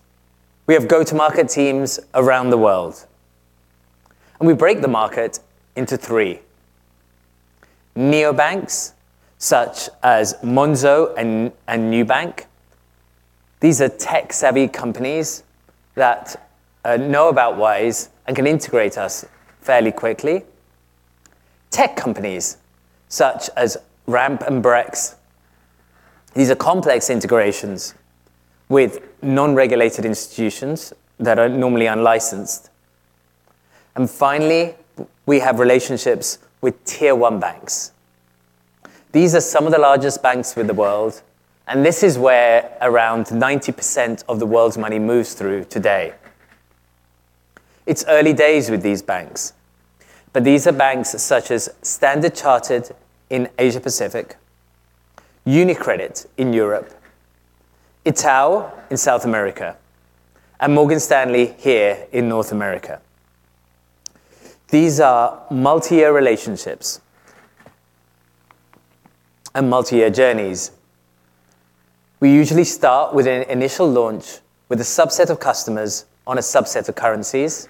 We have go-to-market teams around the world, and we break the market into three. Neobanks, such as Monzo and Nubank. These are tech-savvy companies that know about Wise and can integrate us fairly quickly. Tech companies such as Ramp and Brex. These are complex integrations with non-regulated institutions that are normally unlicensed. Finally, we have relationships with tier one banks. These are some of the largest banks in the world, and this is where around 90% of the world's money moves through today. It's early days with these banks, but these are banks such as Standard Chartered in Asia-Pacific, UniCredit in Europe, Itaú in South America, and Morgan Stanley here in North America. These are multi-year relationships and multi-year journeys. We usually start with an initial launch with a subset of customers on a subset of currencies.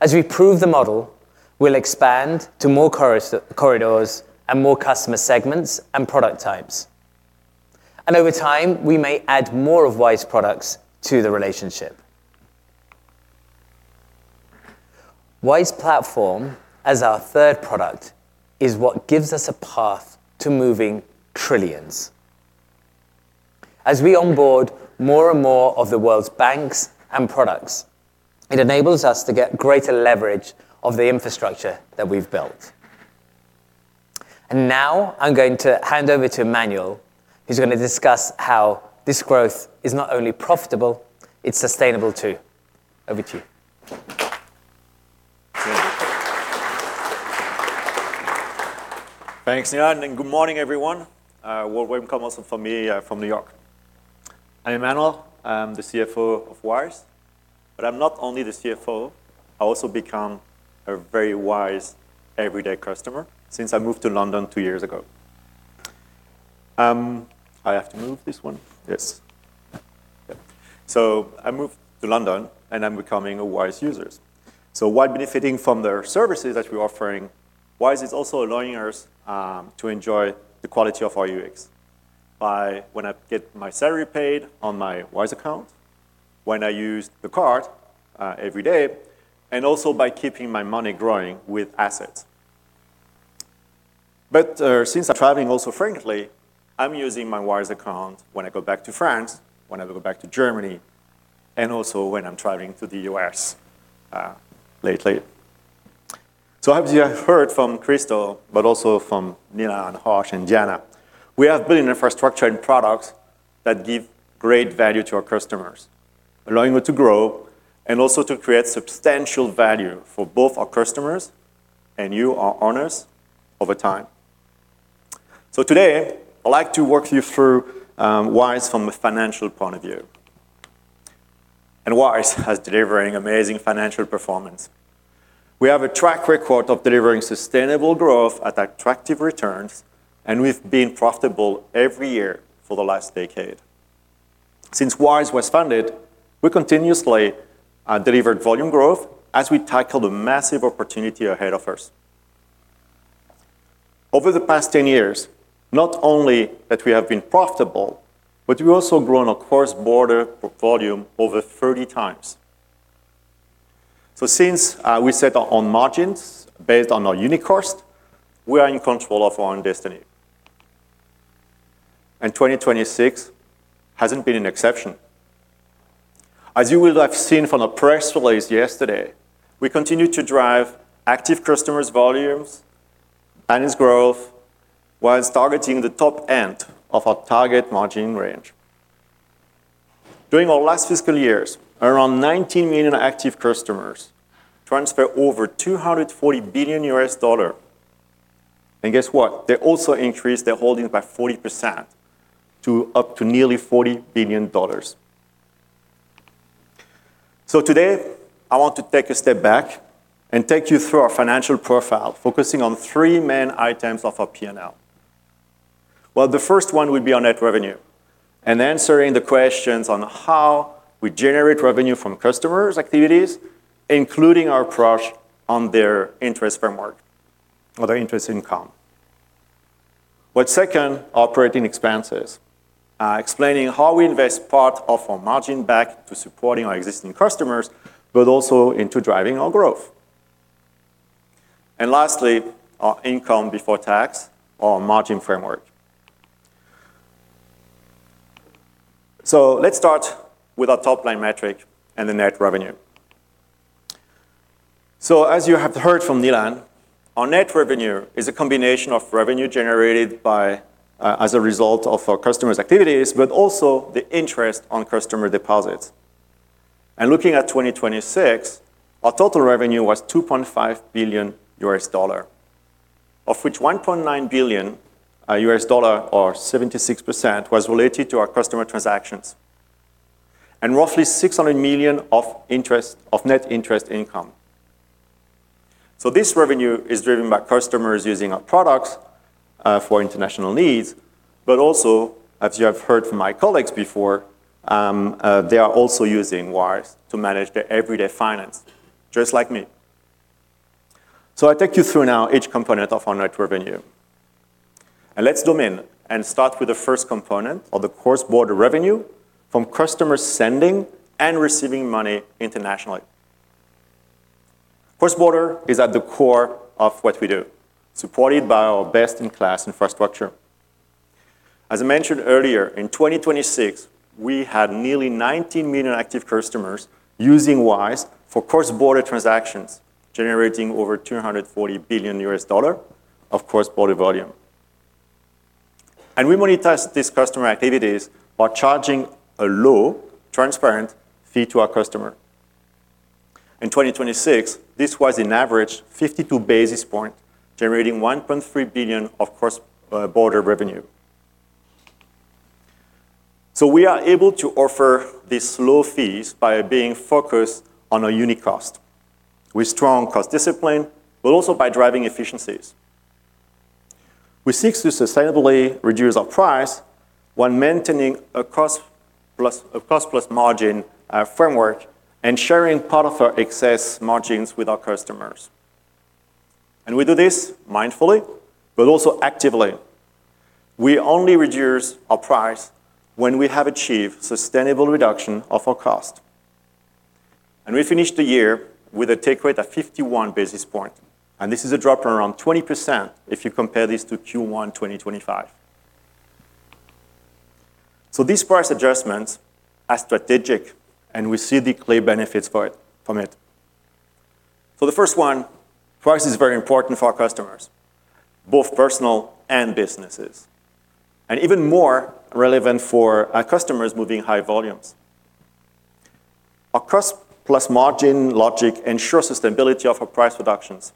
As we prove the model, we'll expand to more corridors and more customer segments and product types. Over time, we may add more of Wise products to the relationship. Wise Platform, as our third product, is what gives us a path to moving trillions. As we onboard more and more of the world's banks and products, it enables us to get greater leverage of the infrastructure that we've built. Now I'm going to hand over to Emmanuel, who's going to discuss how this growth is not only profitable, it's sustainable too. Over to you. Thanks, Nilan Peiris, good morning, everyone. Warm welcome also from me, from N.Y. I am Emmanuel. I am the CFO of Wise, I am not only the CFO. I also become a very Wise everyday customer since I moved to London two years ago. I have to move this one. I moved to London, I am becoming a Wise user. While benefiting from their services that we are offering, Wise is also allowing us to enjoy the quality of our UX by when I get my salary paid on my Wise Account, when I use the Wise card every day, and also by keeping my money growing with Wise Assets. Since I am traveling also frequently, I am using my Wise Account when I go back to France, whenever I go back to Germany, and also when I am traveling to the U.S. lately. Obviously you have heard from Kristo, but also from Nilan Peiris and Harsh and Diana Avila, we are building infrastructure and products that give great value to our customers, allowing them to grow and also to create substantial value for both our customers and you, our owners, over time. Wise has delivering amazing financial performance. We have a track record of delivering sustainable growth at attractive returns, and we've been profitable every year for the last decade. Since Wise was founded, we continuously delivered volume growth as we tackle the massive opportunity ahead of us. Over the past 10 years, not only that we have been profitable, but we've also grown our cross-border volume over 30 times. Since we set our own margins based on our unit cost, we are in control of our own destiny. 2026 hasn't been an exception. As you will have seen from the press release yesterday, we continue to drive active customers volumes and its growth whilst targeting the top end of our target margin range. During our last fiscal years, around 19 million active customers transferred over $240 billion. Guess what? They also increased their holdings by 40% to up to nearly $40 billion. Today, I want to take a step back and take you through our financial profile, focusing on three main items of our P&L. Well, the first one would be our net revenue and answering the questions on how we generate revenue from customers' activities, including our approach on their interest framework or their interest income. Second, operating expenses, explaining how we invest part of our margin back to supporting our existing customers, but also into driving our growth. Lastly, our income before tax or margin framework. Let's start with our top-line metric and the net revenue. As you have heard from Nilan, our net revenue is a combination of revenue generated by, as a result of our customers' activities, but also the interest on customer deposits. Looking at 2026, our total revenue was $2.5 billion, of which $1.9 billion or 76% was related to our customer transactions, and roughly 600 million of net interest income. This revenue is driven by customers using our products for international needs. Also, as you have heard from my colleagues before, they are also using Wise to manage their everyday finance, just like me. I take you through now each component of our net revenue. Let's zoom in and start with the first component of the cross-border revenue from customers sending and receiving money internationally. Cross-border is at the core of what we do, supported by our best-in-class infrastructure. As I mentioned earlier, in 2026, we had nearly 90 million active customers using Wise for cross-border transactions, generating over $240 billion of cross-border volume. We monetize these customer activities by charging a low, transparent fee to our customer. In 2026, this was an average 52 basis points, generating 1.3 billion of cross-border revenue. We are able to offer these low fees by being focused on our unit cost with strong cost discipline, but also by driving efficiencies. We seek to sustainably reduce our price when maintaining a cost-plus margin framework and sharing part of our excess margins with our customers. We do this mindfully, but also actively. We only reduce our price when we have achieved sustainable reduction of our cost. We finished the year with a take rate at 51 basis points, and this is a drop of around 20% if you compare this to Q1 2025. These price adjustments are strategic, and we see the clear benefits from it. For the first one, price is very important for our customers, both personal and businesses, and even more relevant for our customers moving high volumes. Our cost-plus margin logic ensures sustainability of our price reductions.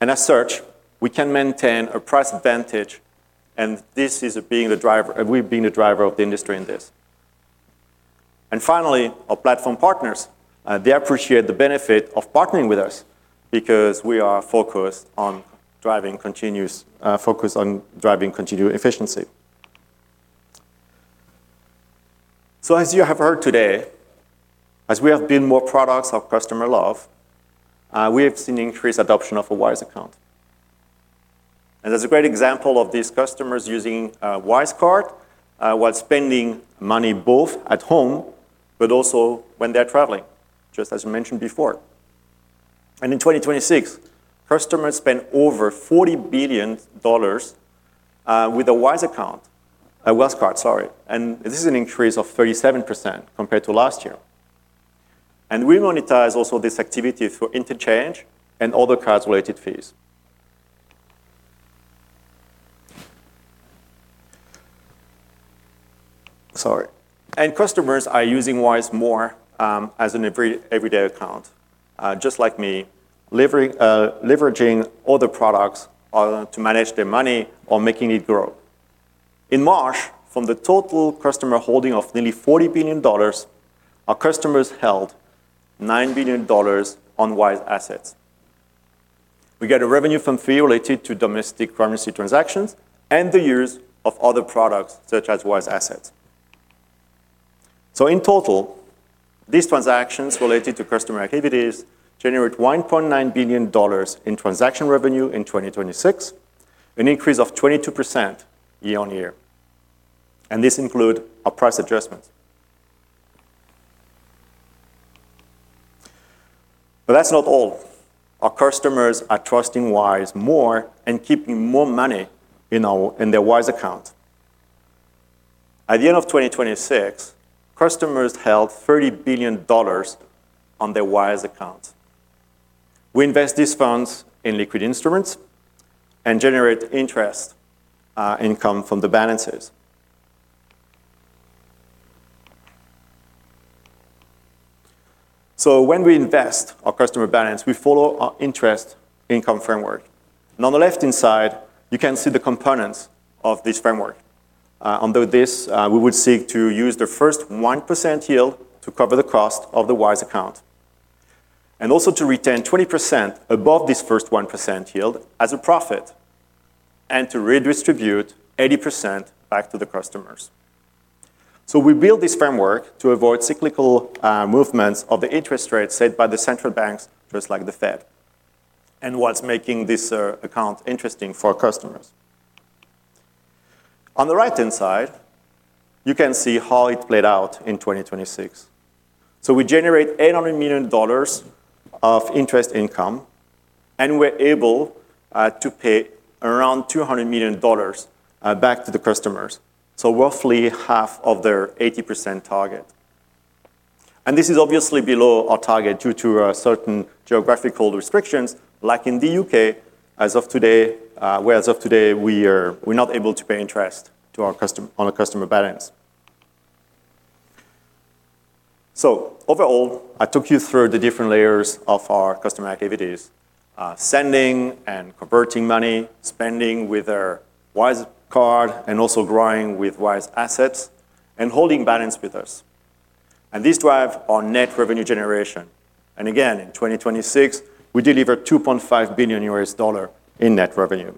As such, we can maintain a price advantage, and we've been the driver of the industry in this. Finally, our platform partners, they appreciate the benefit of partnering with us because we are focused on driving continued efficiency. As you have heard today, as we have been more products of customer love, we have seen increased adoption of a Wise Account. There's a great example of these customers using a Wise card while spending money both at home but also when they're traveling, just as mentioned before. In 2026, customers spent over $40 billion with a Wise card, sorry. This is an increase of 37% compared to last year. We monetize also this activity through interchange and other card-related fees. Sorry. Customers are using Wise more as an everyday account, just like me, leveraging other products to manage their money or making it grow. In March, from the total customer holding of nearly $40 billion, our customers held $9 billion on Wise assets. We get a revenue from fee related to domestic currency transactions and the use of other products such as Wise Assets. In total, these transactions related to customer activities generate $1.9 billion in transaction revenue in 2026, an increase of 22% year-on-year. This include our price adjustments. That's not all. Our customers are trusting Wise more and keeping more money in their Wise Account. At the end of 2026, customers held $30 billion on their Wise Account. We invest these funds in liquid instruments and generate interest income from the balances. When we invest our customer balance, we follow our interest income framework. On the left-hand side, you can see the components of this framework. Under this, we would seek to use the first 1% yield to cover the cost of the Wise Account, and also to retain 20% above this first 1% yield as a profit, and to redistribute 80% back to the customers. We build this framework to avoid cyclical movements of the interest rates set by the central banks, just like the Fed, and what's making this account interesting for customers. On the right-hand side, you can see how it played out in 2026. We generate $800 million of interest income, and we're able to pay around $200 million back to the customers. Roughly half of their 80% target. This is obviously below our target due to certain geographical restrictions, like in the U.K. as of today, where as of today we're not able to pay interest on a customer balance. Overall, I took you through the different layers of our customer activities, sending and converting money, spending with our Wise card, and also growing with Wise Assets, and holding balance with us. These drive our net revenue generation. Again, in 2026, we deliver $2.5 billion in net revenue.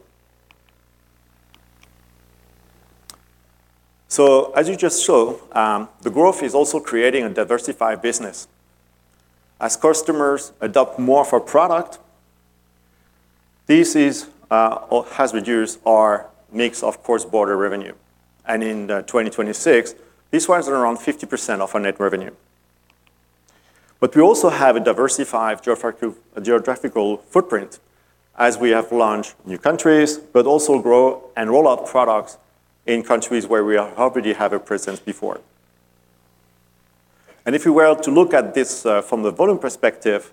As you just saw, the growth is also creating a diversified business. As customers adopt more of our product, this is or has reduced our mix of cross-border revenue. In 2026, this was around 50% of our net revenue. We also have a diversified geographical footprint as we have launched new countries, but also grow and roll out products in countries where we already have a presence before. If you were to look at this from the volume perspective,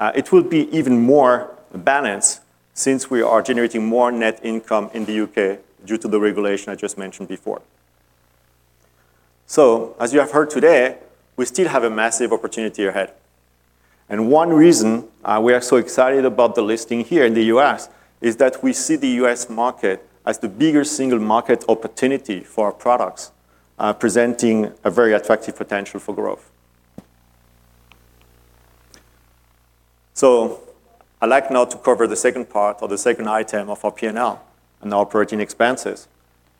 it will be even more balanced since we are generating more net income in the U.K. due to the regulation I just mentioned before. As you have heard today, we still have a massive opportunity ahead. One reason we are so excited about the listing here in the U.S. is that we see the U.S. market as the bigger single market opportunity for our products, presenting a very attractive potential for growth. I'd like now to cover the second part or the second item of our P&L and our operating expenses,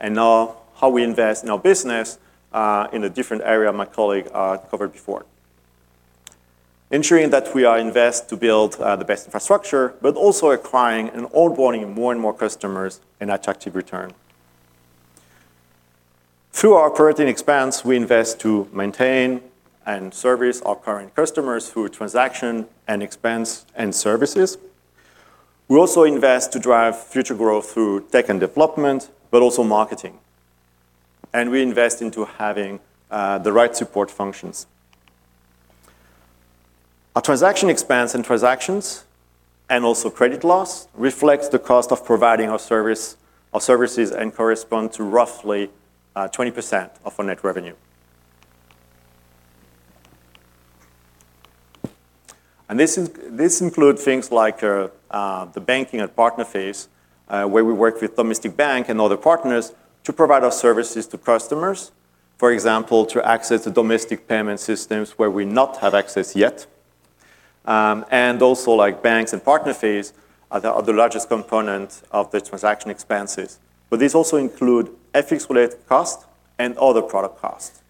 and now how we invest in our business, in a different area my colleague covered before. Ensuring that we are invest to build the best infrastructure, but also acquiring and onboarding more and more customers an attractive return. Through our operating expense, we invest to maintain and service our current customers through transaction and expense and services. We also invest to drive future growth through tech and development, but also marketing. We invest into having the right support functions. Our transaction expense and transactions, and also credit loss, reflects the cost of providing our services and correspond to roughly 20% of our net revenue. This include things like the banking and partner fees, where we work with domestic bank and other partners to provide our services to customers. For example, to access the domestic payment systems where we not have access yet. Like banks and partner fees are the largest component of the transaction expenses. These also include FX-related cost and other product costs.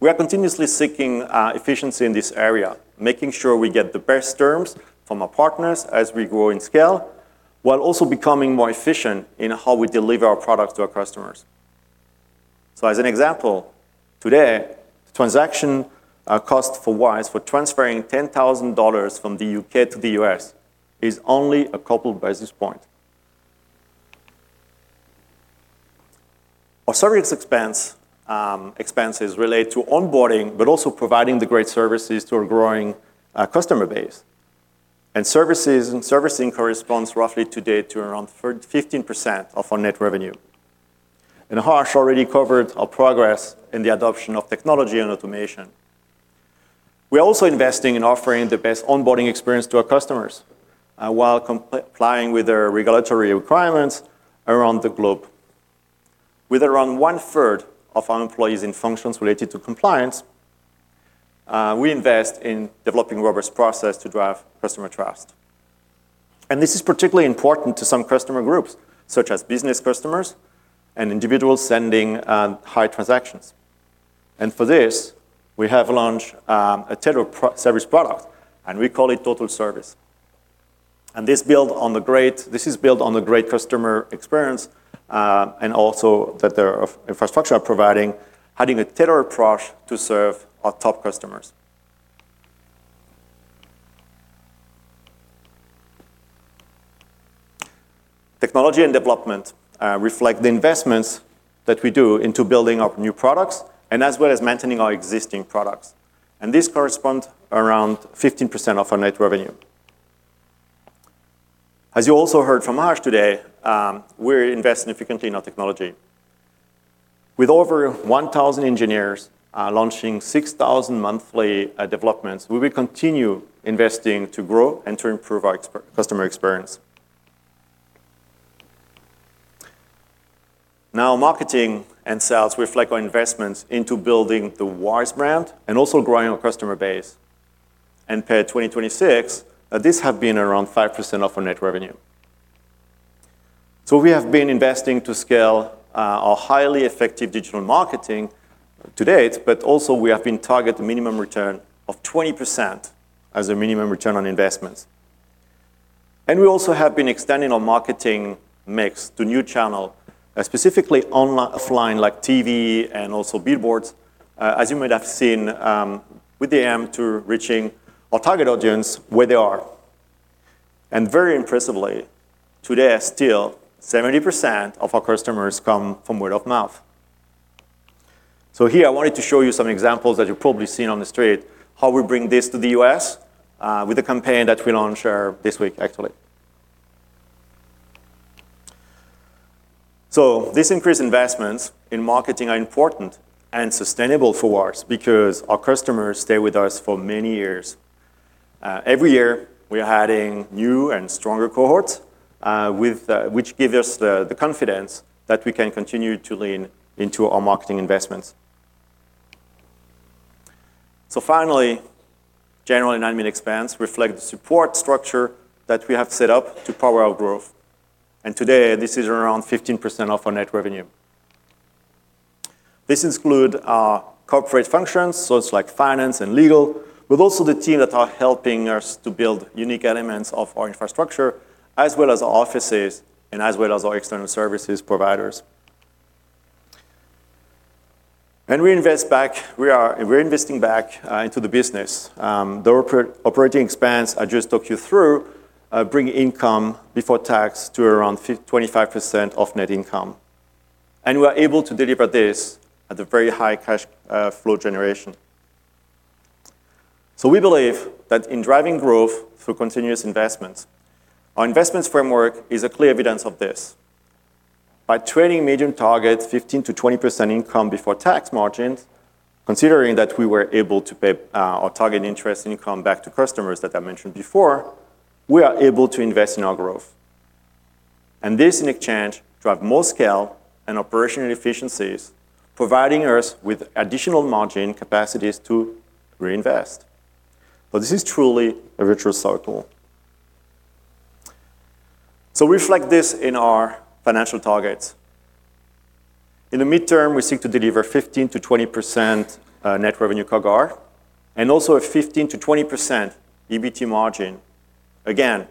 We are continuously seeking efficiency in this area, making sure we get the best terms from our partners as we grow in scale, while also becoming more efficient in how we deliver our products to our customers. As an example, today, transaction cost for Wise for transferring $10,000 from the U.K. to the U.S. is only 2 basis point. Our service expenses relate to onboarding but also providing the great services to our growing customer base. Services and servicing corresponds roughly today to around 15% of our net revenue. Harsh already covered our progress in the adoption of technology and automation. We're also investing in offering the best onboarding experience to our customers while complying with their regulatory requirements around the globe. With around one-third of our employees in functions related to compliance, we invest in developing robust process to drive customer trust. This is particularly important to some customer groups, such as business customers and individuals sending high transactions. For this, we have launched a tailored service product, and we call it Total Service. This is built on the great customer experience, and also that their infrastructure are providing, having a tailored approach to serve our top customers. Technology and development reflect the investments that we do into building our new products and as well as maintaining our existing products. This correspond around 15% of our net revenue. As you also heard from Harsh today, we're investing significantly in our technology. With over 1,000 engineers, launching 6,000 monthly developments, we will continue investing to grow and to improve our customer experience. Now, marketing and sales reflect our investments into building the Wise brand and also growing our customer base. Per 2026, this have been around 5% of our net revenue. We have been investing to scale our highly effective digital marketing to date, but also we have been target a minimum return of 20% as a minimum return on investments. We also have been extending our marketing mix to new channel, specifically offline, like TV and also billboards, as you might have seen, with the aim to reaching our target audience where they are. Very impressively, today still 70% of our customers come from word of mouth. Here I wanted to show you some examples that you've probably seen on the street, how we bring this to the U.S., with a campaign that we launched this week actually. These increased investments in marketing are important and sustainable for us because our customers stay with us for many years. Every year, we are adding new and stronger cohorts, which give us the confidence that we can continue to lean into our marketing investments. Finally, general and admin expense reflect the support structure that we have set up to power our growth. Today, this is around 15% of our net revenue. This include our corporate functions, so it's like finance and legal, but also the team that are helping us to build unique elements of our infrastructure, as well as offices and as well as our external services providers. We're investing back into the business. The operating expense I just talked you through, bring income before tax to around 25% of net income. We are able to deliver this at a very high cash flow generation. We believe that in driving growth through continuous investments, our investments framework is a clear evidence of this. By targeting medium targets 15%-20% income before tax margins, considering that we were able to pay our target interest income back to customers that I mentioned before, we are able to invest in our growth. This, in exchange, drive more scale and operational efficiencies, providing us with additional margin capacities to reinvest. This is truly a virtuous cycle. We reflect this in our financial targets. In the midterm, we seek to deliver 15%-20% net revenue CAGR, and also a 15%-20% EBIT margin, again,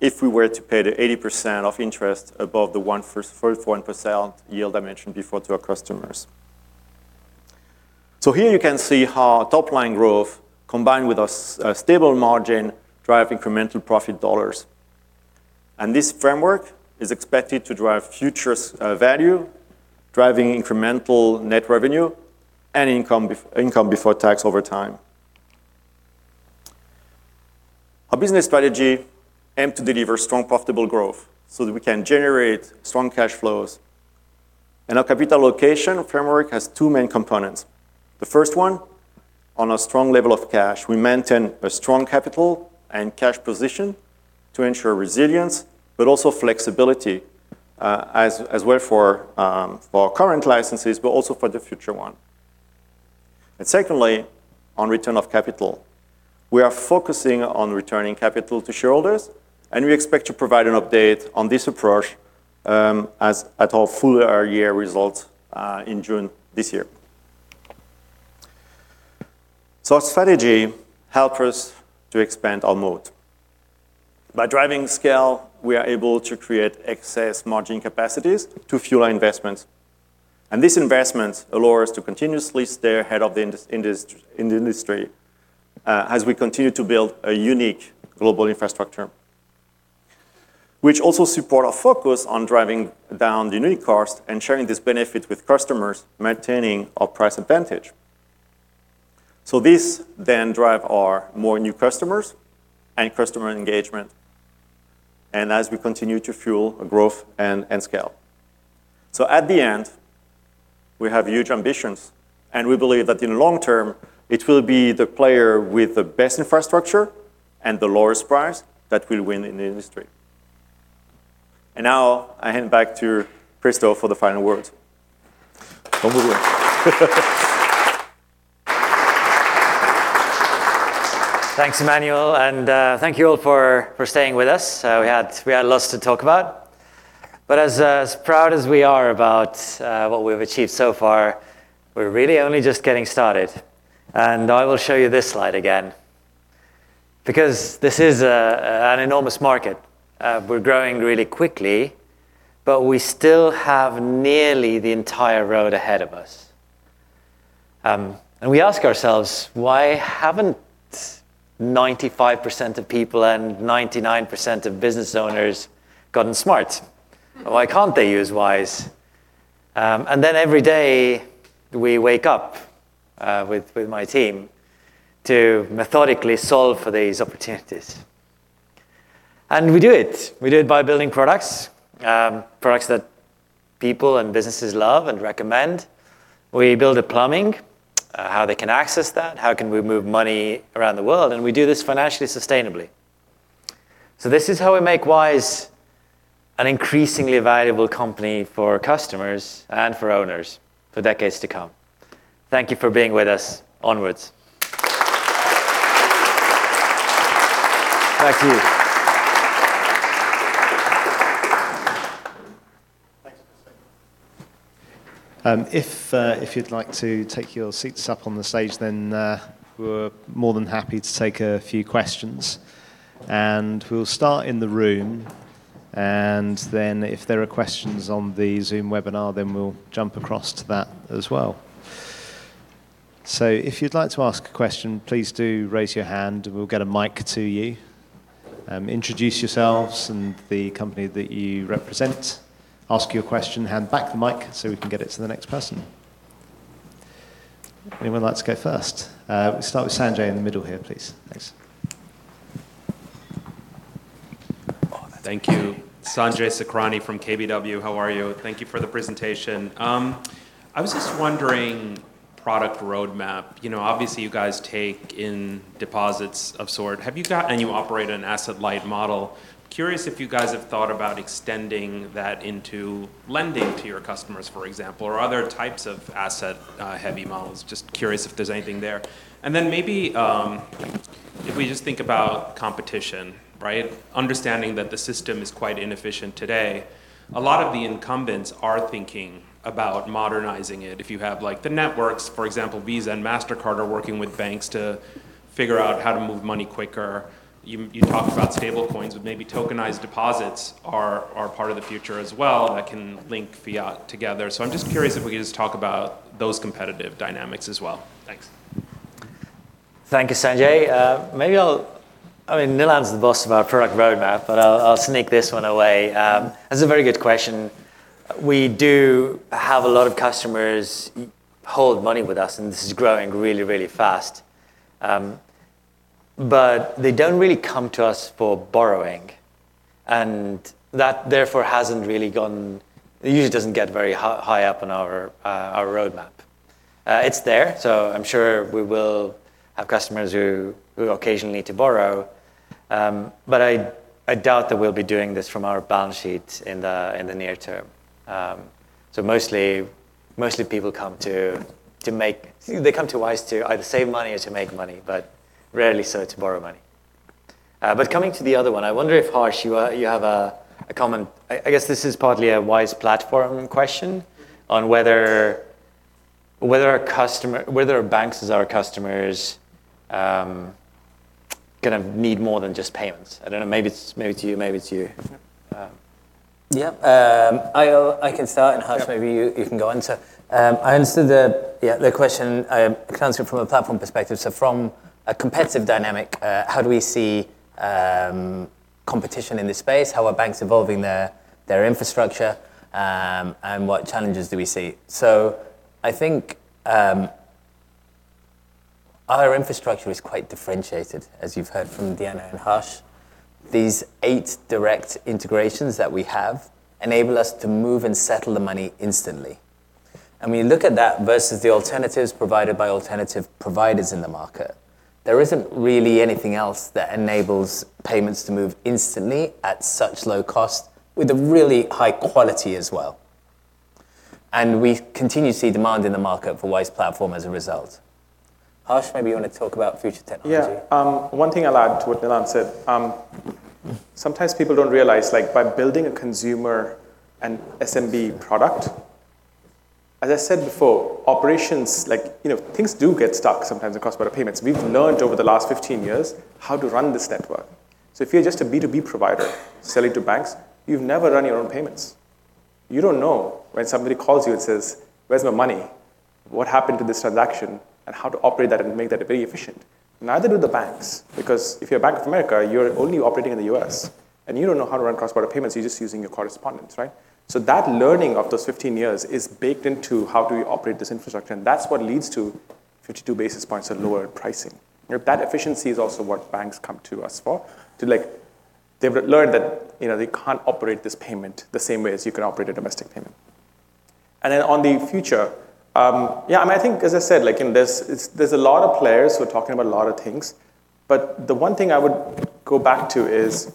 if we were to pay the 80% of interest above the 1% yield I mentioned before to our customers. Here you can see how top-line growth combined with a stable margin drive incremental profit dollars. This framework is expected to drive future value, driving incremental net revenue and income before tax over time. Our business strategy aims to deliver strong, profitable growth so that we can generate strong cash flows. Our capital allocation framework has two main components. The first one, on a strong level of cash. We maintain a strong capital and cash position to ensure resilience, but also flexibility, as well for our current licenses, but also for the future one. Secondly, on return of capital. We are focusing on returning capital to shareholders, and we expect to provide an update on this approach as at our full year results in June this year. Our strategy help us to expand our moat. By driving scale, we are able to create excess margin capacities to fuel our investments. These investments allow us to continuously stay ahead of the industry, as we continue to build a unique global infrastructure, which also support our focus on driving down the unit cost and sharing this benefit with customers, maintaining our price advantage. This drive our more new customers and customer engagement, as we continue to fuel our growth and scale. At the end, we have huge ambitions, and we believe that in long term, it will be the player with the best infrastructure and the lowest price that will win in the industry. Now I hand back to Kristo for the final words. Don't move yet. Thanks, Emmanuel, thank you all for staying with us. We had lots to talk about. As proud as we are about what we've achieved so far, we're really only just getting started. I will show you this slide again because this is an enormous market. We're growing really quickly, but we still have nearly the entire road ahead of us. We ask ourselves, "Why haven't 95% of people and 99% of business owners gotten smart? Why can't they use Wise?" Every day, we wake up with my team to methodically solve for these opportunities. We do it. We do it by building products that people and businesses love and recommend. We build the plumbing, how they can access that, how can we move money around the world, and we do this financially sustainably. This is how we make Wise an increasingly valuable company for customers and for owners for decades to come. Thank you for being with us. Onwards. Back to you.. If you'd like to take your seats up on the stage, then we're more than happy to take a few questions. We'll start in the room, and then if there are questions on the Zoom webinar, then we'll jump across to that as well. If you'd like to ask a question, please do raise your hand, and we'll get a mic to you. Introduce yourselves and the company that you represent. Ask your question, hand back the mic so we can get it to the next person. Anyone like to go first? We'll start with Sanjay in the middle here, please. Thanks. Thank you. Sanjay Sakhrani from KBW. How are you? Thank you for the presentation. I was just wondering product roadmap. You know, obviously, you guys take in deposits of sort. You operate an asset-light model. Curious if you guys have thought about extending that into lending to your customers, for example, or other types of asset heavy models. Just curious if there's anything there. Maybe, if we just think about competition, right? Understanding that the system is quite inefficient today, a lot of the incumbents are thinking about modernizing it. If you have, like, the networks, for example, Visa and Mastercard are working with banks to figure out how to move money quicker. You talk about stablecoins but maybe tokenized deposits are part of the future as well that can link fiat together. I'm just curious if we could just talk about those competitive dynamics as well. Thanks. Thank you, Sanjay. I mean, Nilan's the boss of our product roadmap, but I'll sneak this one away. That's a very good question. We do have a lot of customers hold money with us, and this is growing really fast. But they don't really come to us for borrowing. It usually doesn't get very high up on our roadmap. It's there, so I'm sure we will have customers who occasionally to borrow. But I doubt that we'll be doing this from our balance sheet in the near term. So mostly people come to Wise to either save money or to make money, but rarely so to borrow money. Coming to the other one, I wonder if, Harsh, you have a comment. I guess this is partly a Wise Platform question on whether our banks as our customers, gonna need more than just payments. I don't know, maybe it's you. Yeah. Yeah. I can start, and Harsh- Yeah I understood the question, I can answer it from a platform perspective. From a competitive dynamic, how do we see competition in this space? How are banks evolving their infrastructure, what challenges do we see? I think our infrastructure is quite differentiated, as you've heard from Diana Avila and Harsh. These eight direct integrations that we have enable us to move and settle the money instantly. When you look at that versus the alternatives provided by alternative providers in the market, there isn't really anything else that enables payments to move instantly at such low cost with a really high quality as well. We continue to see demand in the market for Wise Platform as a result. Harsh, maybe you wanna talk about future technology. One thing I'll add to what Nilan said, sometimes people don't realize, like, by building a consumer and SMB product, as I said before, operations, like, you know, things do get stuck sometimes across border payments. We've learned over the last 15 years how to run this network. If you're just a B2B provider selling to banks, you've never run your own payments. You don't know when somebody calls you and says, "Where's my money? What happened to this transaction?" How to operate that and make that very efficient. Neither do the banks, because if you're Bank of America, you're only operating in the U.S., and you don't know how to run cross-border payments. You're just using your correspondents, right? That learning of those 15 years is baked into how do we operate this infrastructure, and that's what leads to 52 basis points of lower pricing. You know, that efficiency is also what banks come to us for. They've learned that, you know, they can't operate this payment the same way as you can operate a domestic payment. On the future, yeah, I mean, I think, as I said, like, there's a lot of players who are talking about a lot of things. The one thing I would go back to is,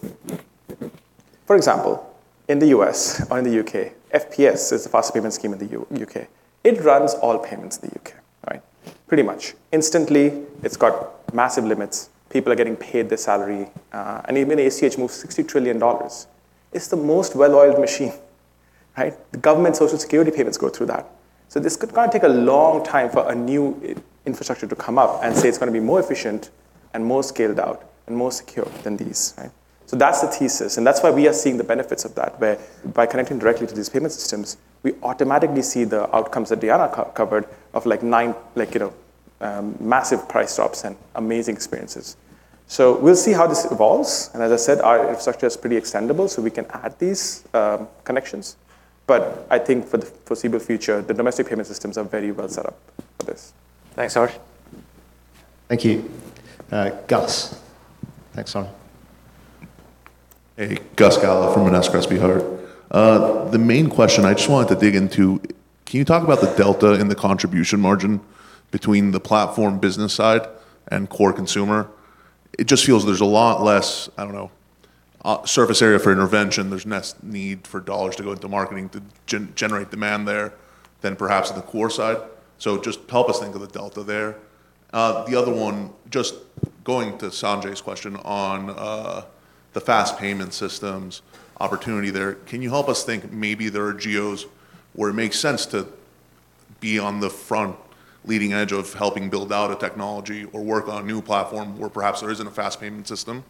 for example, in the U.S. or in the U.K., FPS is the faster payment scheme in the U.K. It runs all payments in the U.K., right? Pretty much. Instantly, it's got massive limits. People are getting paid their salary, and even ACH moves $60 trillion. It's the most well-oiled machine, right? The government Social Security payments go through that. This could take a long time for a new infrastructure to come up and say it's gonna be more efficient and more scaled out and more secure than these, right? That's the thesis, and that's why we are seeing the benefits of that, where by connecting directly to these payment systems, we automatically see the outcomes that Diana co-covered of, like, nine, like, you know, massive price drops and amazing experiences. We'll see how this evolves, and as I said, our infrastructure is pretty extendable, so we can add these, connections. I think for the foreseeable future, the domestic payment systems are very well set up for this. Thanks, Harsh. Thank you. Gus. Next one. Hey. Gus Gala from Monness, Crespi, Hardt. The main question I just wanted to dig into, can you talk about the delta in the contribution margin between the platform business side and core consumer? It just feels there's a lot less, I don't know, surface area for intervention. There's less need for dollars to go into marketing to generate demand there than perhaps the core side. Just help us think of the delta there. The other one, just going to Sanjay's question on the fast payment systems opportunity there. Can you help us think maybe there are geos where it makes sense to be on the front leading edge of helping build out a technology or work on a new platform where perhaps there isn't a fast payment system?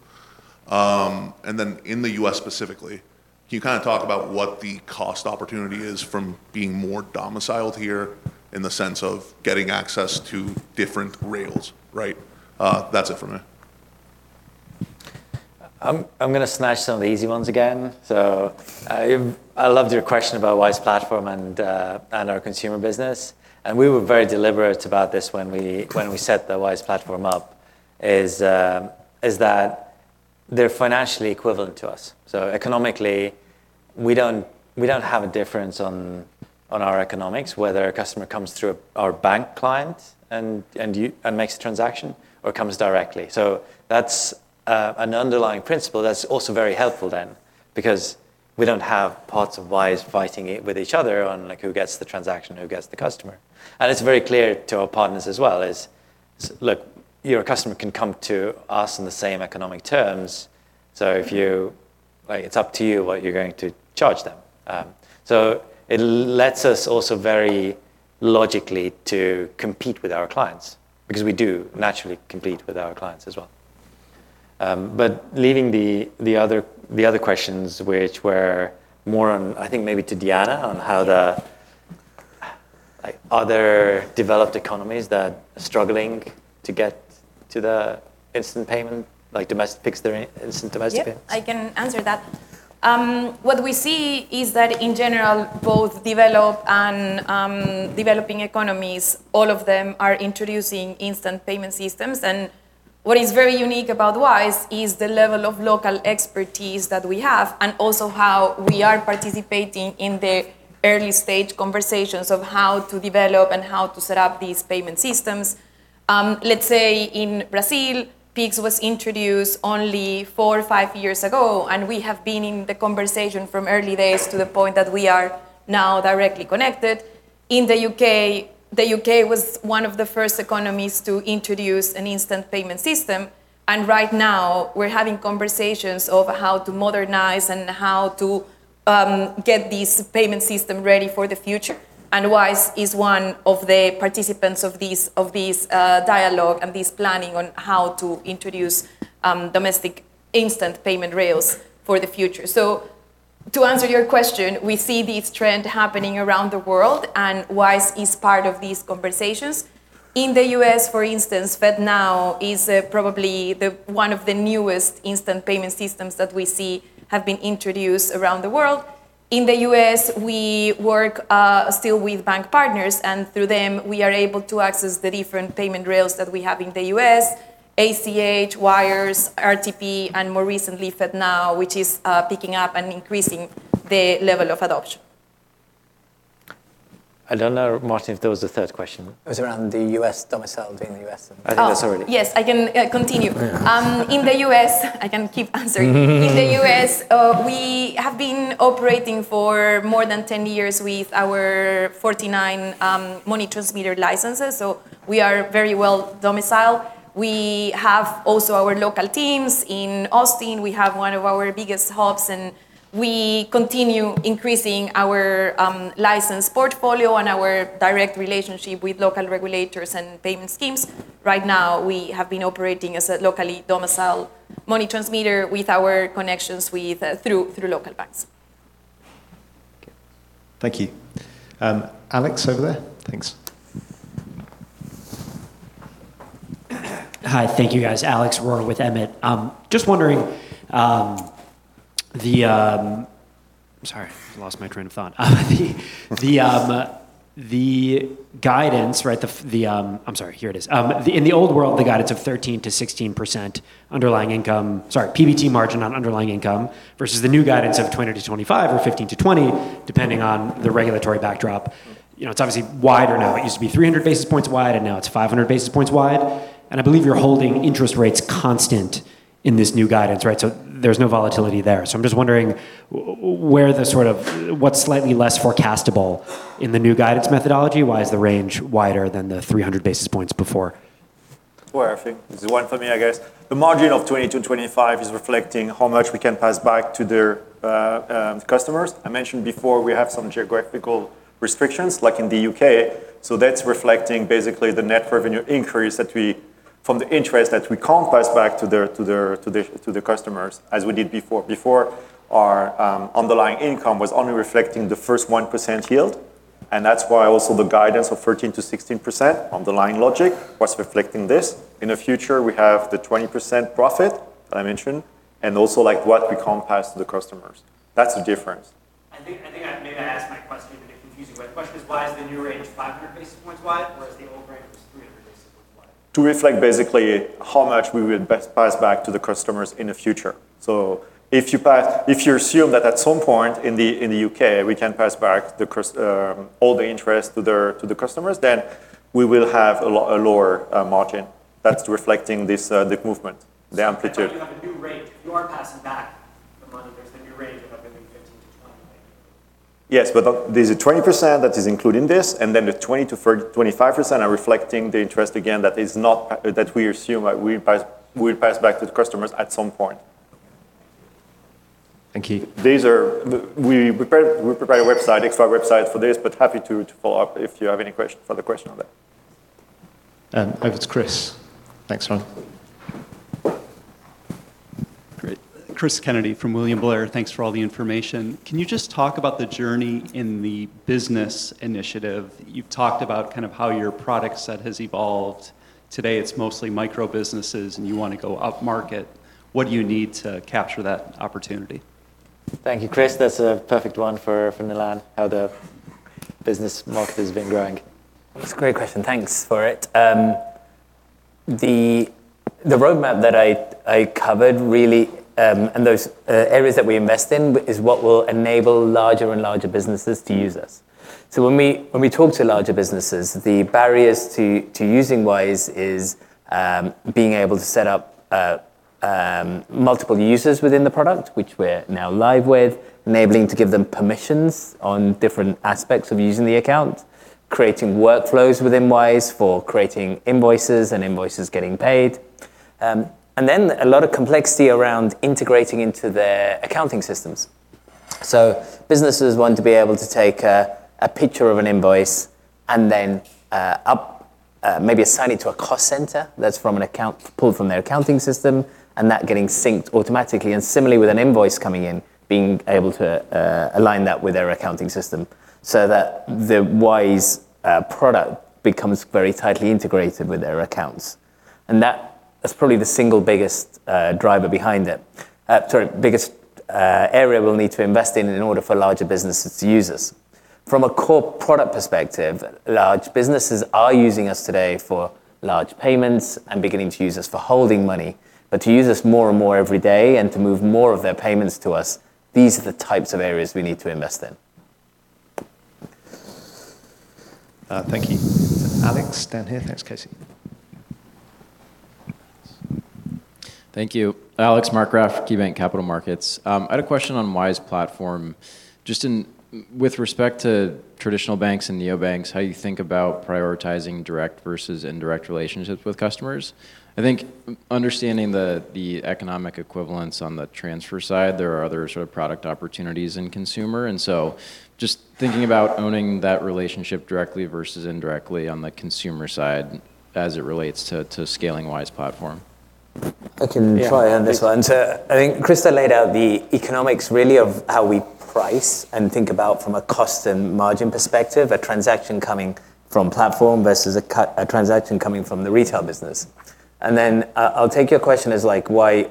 In the U.S. specifically, can you kinda talk about what the cost opportunity is from being more domiciled here in the sense of getting access to different rails, right? That's it from me. I'm gonna snatch some of the easy ones again. I loved your question about Wise Platform and our consumer business, and we were very deliberate about this when we, when we set the Wise Platform up, is that they're financially equivalent to us. Economically, we don't have a difference on our economics, whether a customer comes through our bank client and makes a transaction or comes directly. That's an underlying principle that's also very helpful then because we don't have parts of Wise fighting it with each other on, like, who gets the transaction, who gets the customer. It's very clear to our partners as well, is look, your customer can come to us on the same economic terms, so if you like, it's up to you what you're going to charge them. It lets us also very logically to compete with our clients because we do naturally compete with our clients as well. Leaving the other questions which were more on, I think maybe to Diana on how the, like, other developed economies that are struggling to get to the instant payment, like domestic Pix or instant domestic payments. Yep, I can answer that. What we see is that in general, both developed and developing economies, all of them are introducing instant payment systems. What is very unique about Wise is the level of local expertise that we have and also how we are participating in the early-stage conversations of how to develop and how to set up these payment systems. Let's say in Brazil, Pix was introduced only four or five years ago, and we have been in the conversation from early days to the point that we are now directly connected. In the U.K., the U.K. was one of the first economies to introduce an instant payment system, and right now we're having conversations over how to modernize and how to get this payment system ready for the future. Wise is one of the participants of this dialogue and this planning on how to introduce domestic instant payment rails for the future. To answer your question, we see this trend happening around the world, and Wise is part of these conversations. In the U.S., for instance, FedNow is probably the one of the newest instant payment systems that we see have been introduced around the world. In the U.S., we work still with bank partners, and through them, we are able to access the different payment rails that we have in the U.S., ACH, wires, RTP, and more recently, FedNow, which is picking up and increasing the level of adoption. I don't know, Martin, if there was a third question. It was around the U.S., domiciled in the U.S. I think that's all. Yes, I can continue. Yeah. In the U.S. I can keep answering. In the U.S., we have been operating for more than 10 years with our 49 money transmitter licenses, so we are very well domiciled. We have also our local teams. In Austin, we have one of our biggest hubs, and we continue increasing our license portfolio and our direct relationship with local regulators and payment schemes. Right now, we have been operating as a locally domiciled money transmitter with our connections through local banks. Okay. Thank you. Alex, over there. Thanks. Hi. Thank you, guys. Alex Rohrer with Emmett. Just wondering, I'm sorry. I lost my train of thought. The, the guidance, right? The, I'm sorry. Here it is. The, in the old world, the guidance of 13%-16% underlying income Sorry, PBT margin on underlying income versus the new guidance of 20%-25% or 15%-20%, depending on the regulatory backdrop. You know, it's obviously wider now. It used to be 300 basis points wide, and now it's 500 basis points wide. I believe you're holding interest rates constant in this new guidance, right? There's no volatility there. I'm just wondering where the sort of What's slightly less forecastable in the new guidance methodology? Why is the range wider than the 300 basis points before? That's for Eric. This is one for me, I guess. The margin of 20-25 is reflecting how much we can pass back to the customers. I mentioned before we have some geographical restrictions, like in the U.K., so that's reflecting basically the net revenue increase that we, from the interest that we can't pass back to the customers as we did before. Before, our underlying income was only reflecting the first 1% yield, and that's why also the guidance of 13%-16% underlying logic was reflecting this. In the future, we have the 20% profit that I mentioned and also, like, what we can't pass to the customers. That's the difference. I think I maybe I asked my question in a confusing way. The question is why is the new range 500 basis points wide whereas the old range was 300 basis points wide? To reflect basically how much we will best pass back to the customers in the future. If you assume that at some point in the U.K., we can pass back all the interest to the customers, then we will have a lower margin. That's reflecting this, the movement, the amplitude. I thought you have a new range. You are passing back the money. There is the new range of the new 15-20. Yes, there's a 20% that is including this, then the 20%-25% are reflecting the interest again that is not that we assume that we'll pass back to the customers at some point. Thank you. We prepare a website, extra website for this. Happy to follow up if you have any further question on that. Over to Chris. Next one. Great. Cristopher Kennedy from William Blair. Thanks for all the information. Can you just talk about the journey in the business initiative? You've talked about kind of how your product set has evolved. Today it's mostly micro-businesses and you want to go up market. What do you need to capture that opportunity? Thank you, Chris. That's a perfect one for Nilan Peiris, how the business market has been growing. That's a great question. Thanks for it. The roadmap that I covered really, and those areas that we invest in is what will enable larger and larger businesses to use us. When we talk to larger businesses, the barriers to using Wise is being able to set up multiple users within the product, which we're now live with, enabling to give them permissions on different aspects of using the account, creating workflows within Wise for creating invoices and invoices getting paid. And then a lot of complexity around integrating into their accounting systems. Businesses want to be able to take a picture of an invoice and then maybe assign it to a cost center that's from an account, pulled from their accounting system, and that getting synced automatically. Similarly with an invoice coming in, being able to align that with their accounting system so that the Wise product becomes very tightly integrated with their accounts. That is probably the single biggest driver behind it. Sorry, biggest area we'll need to invest in in order for larger businesses to use us. From a core product perspective, large businesses are using us today for large payments and beginning to use us for holding money. To use us more and more every day and to move more of their payments to us, these are the types of areas we need to invest in. Thank you. Alex, down here. Thanks, Casey. Thank you. Alex Markgraff, KeyBanc Capital Markets. I had a question on Wise Platform. Just with respect to traditional banks and neobanks, how you think about prioritizing direct versus indirect relationships with customers. I think understanding the economic equivalence on the transfer side, there are other sort of product opportunities in consumer. Just thinking about owning that relationship directly versus indirectly on the consumer side as it relates to scaling Wise Platform. I can try on this one. Yeah. I think Chris had laid out the economics really of how we price and think about from a cost and margin perspective, a transaction coming from platform versus a transaction coming from the retail business. I'll take your question as like, why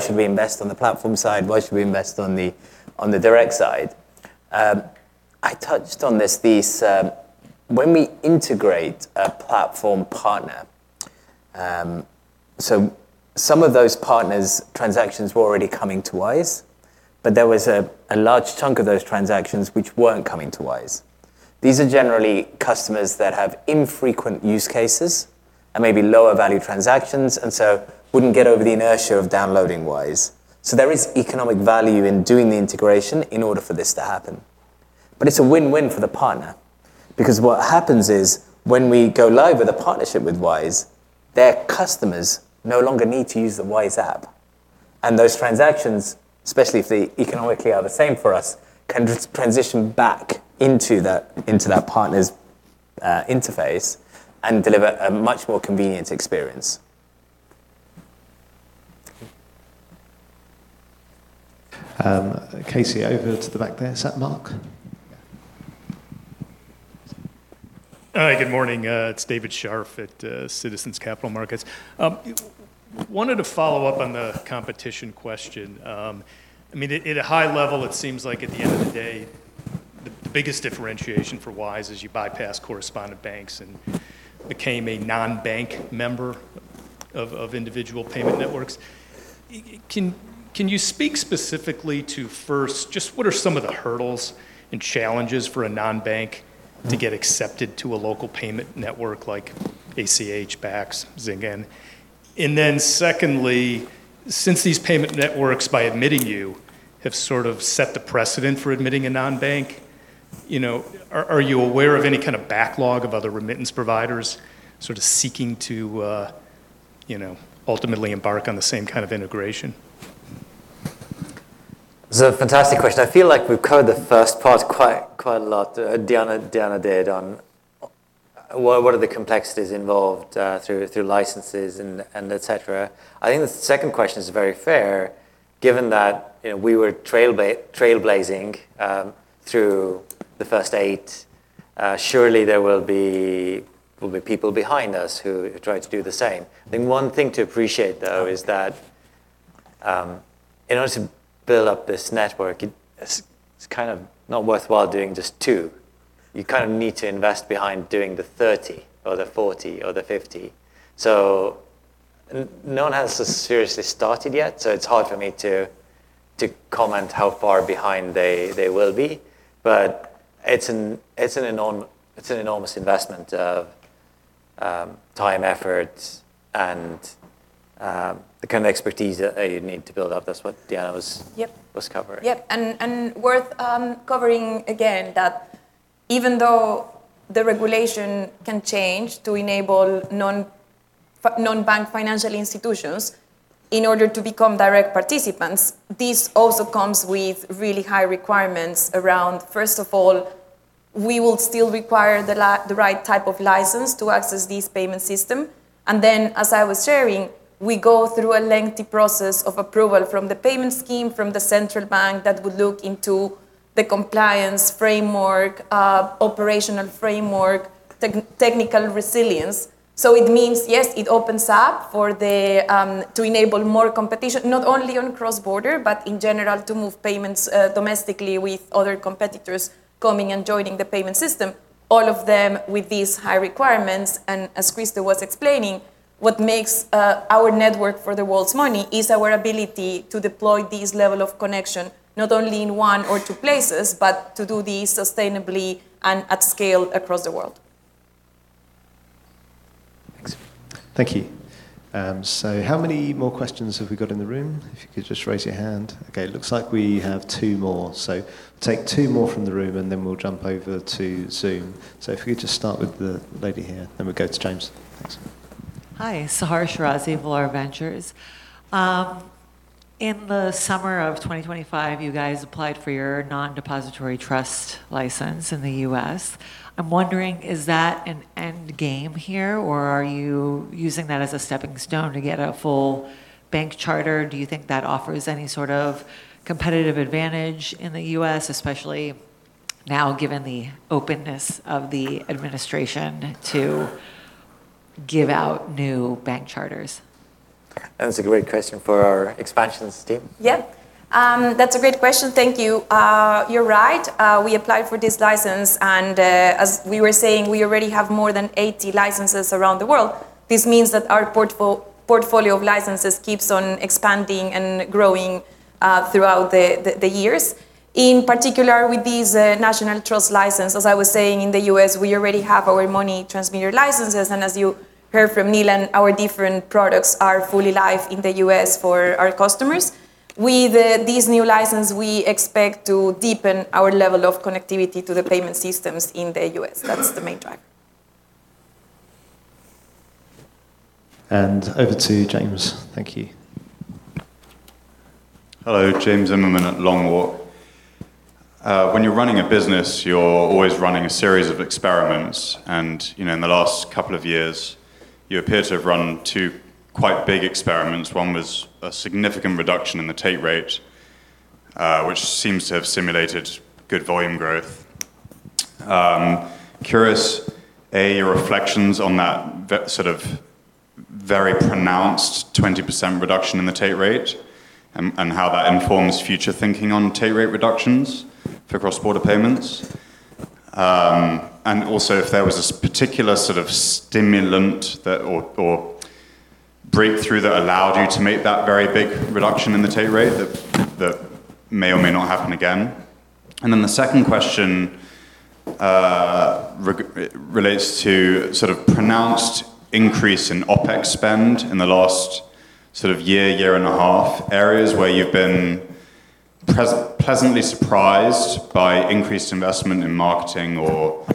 should we invest on the platform side? Why should we invest on the direct side? I touched on this piece. When we integrate a platform partner, some of those partners' transactions were already coming to Wise, but there was a large chunk of those transactions which weren't coming to Wise. These are generally customers that have infrequent use cases and maybe lower value transactions, and so wouldn't get over the inertia of downloading Wise. There is economic value in doing the integration in order for this to happen. It's a win-win for the partner because what happens is when we go live with a partnership with Wise, their customers no longer need to use the Wise app. Those transactions, especially if they economically are the same for us, can just transition back into that partner's interface and deliver a much more convenient experience. Casey, over to the back there. Is that Mark? Yeah. Yes. Hi. Good morning. It's David Scharf at Citizens Capital Markets. Wanted to follow up on the competition question. I mean, at a high level it seems like at the end of the day, the biggest differentiation for Wise is you bypass correspondent banks and became a non-bank member of individual payment networks. Can you speak specifically to first, just what are some of the hurdles and challenges for a non-bank to get accepted to a local payment network like ACH, Bacs, Zengin? Secondly, since these payment networks, by admitting you, have sort of set the precedent for admitting a non-bank, you know, are you aware of any kind of backlog of other remittance providers sort of seeking to, ultimately embark on the same kind of integration? It's a fantastic question. I feel like we've covered the first part quite a lot. Diana did on what are the complexities involved through licenses and et cetera. I think the second question is very fair given that, you know, we were trailblazing through the first eight. Surely there will be people behind us who try to do the same. I think one thing to appreciate though is that in order to build up this network, it's kind of not worthwhile doing just two. You kind of need to invest behind doing the 30 or the 40 or the 50. No one has seriously started yet, so it's hard for me to comment how far behind they will be. It's an enormous investment of. Time, effort, and the kind of expertise that you need to build up. Yep was covering. Yep. Worth covering again that even though the regulation can change to enable non-bank financial institutions in order to become direct participants, this also comes with really high requirements around, first of all, we will still require the right type of license to access this payment system. As I was sharing, we go through a lengthy process of approval from the payment scheme, from the central bank that would look into the compliance framework, operational framework, technical resilience. It means, yes, it opens up for the to enable more competition, not only on cross-border, but in general to move payments domestically with other competitors coming and joining the payment system, all of them with these high requirements. As Kristo was explaining, what makes our network for the world's money is our ability to deploy this level of connection, not only in one or two places, but to do this sustainably and at scale across the world. Thanks. Thank you. How many more questions have we got in the room? If you could just raise your hand. Okay, it looks like we have two more. Take two more from the room, and then we'll jump over to Zoom. If you could just start with the lady here, then we'll go to James. Thanks. Hi. Sahar Shirazi, Valar Ventures. In the summer of 2025, you guys applied for your non-depository trust license in the U.S. I'm wondering, is that an end game here, or are you using that as a stepping stone to get a full bank charter? Do you think that offers any sort of competitive advantage in the U.S., especially now given the openness of the administration to give out new bank charters? That's a great question for our expansions team. Yep. That's a great question. Thank you. You're right. We applied for this license, and as we were saying, we already have more than 80 licenses around the world. This means that our portfolio of licenses keeps on expanding and growing throughout the years. In particular with these, national trust license, as I was saying, in the U.S., we already have our money transmitter licenses, and as you heard from Nilan our different products are fully live in the U.S. for our customers. These new license, we expect to deepen our level of connectivity to the payment systems in the U.S. That's the main drive. Over to James. Thank you. Hello. James Zimmerman at Long Walk. When you're running a business, you're always running a series of experiments and, you know, in the last couple of years, you appear to have run two quite big experiments. one was a significant reduction in the take rate, which seems to have stimulated good volume growth. Curious, A, your reflections on that sort of very pronounced 20% reduction in the take rate and how that informs future thinking on take rate reductions for cross-border payments. Also if there was a particular sort of stimulant that or breakthrough that allowed you to make that very big reduction in the take rate that may or may not happen again. Then the 2nd question relates to sort of pronounced increase in OpEx spend in the last sort of year and a half. Areas where you've been pleasantly surprised by increased investment in marketing or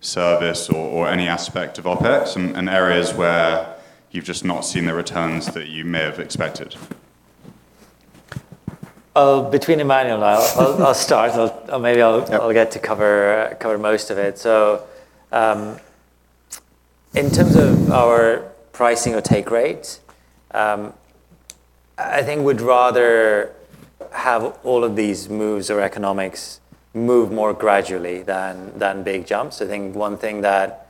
service or any aspect of OpEx, and areas where you've just not seen the returns that you may have expected. Between Emmanuel and I'll start. Yeah I'll get to cover most of it. In terms of our pricing or take rates, I think we'd rather have all of these moves or economics move more gradually than big jumps. I think one thing that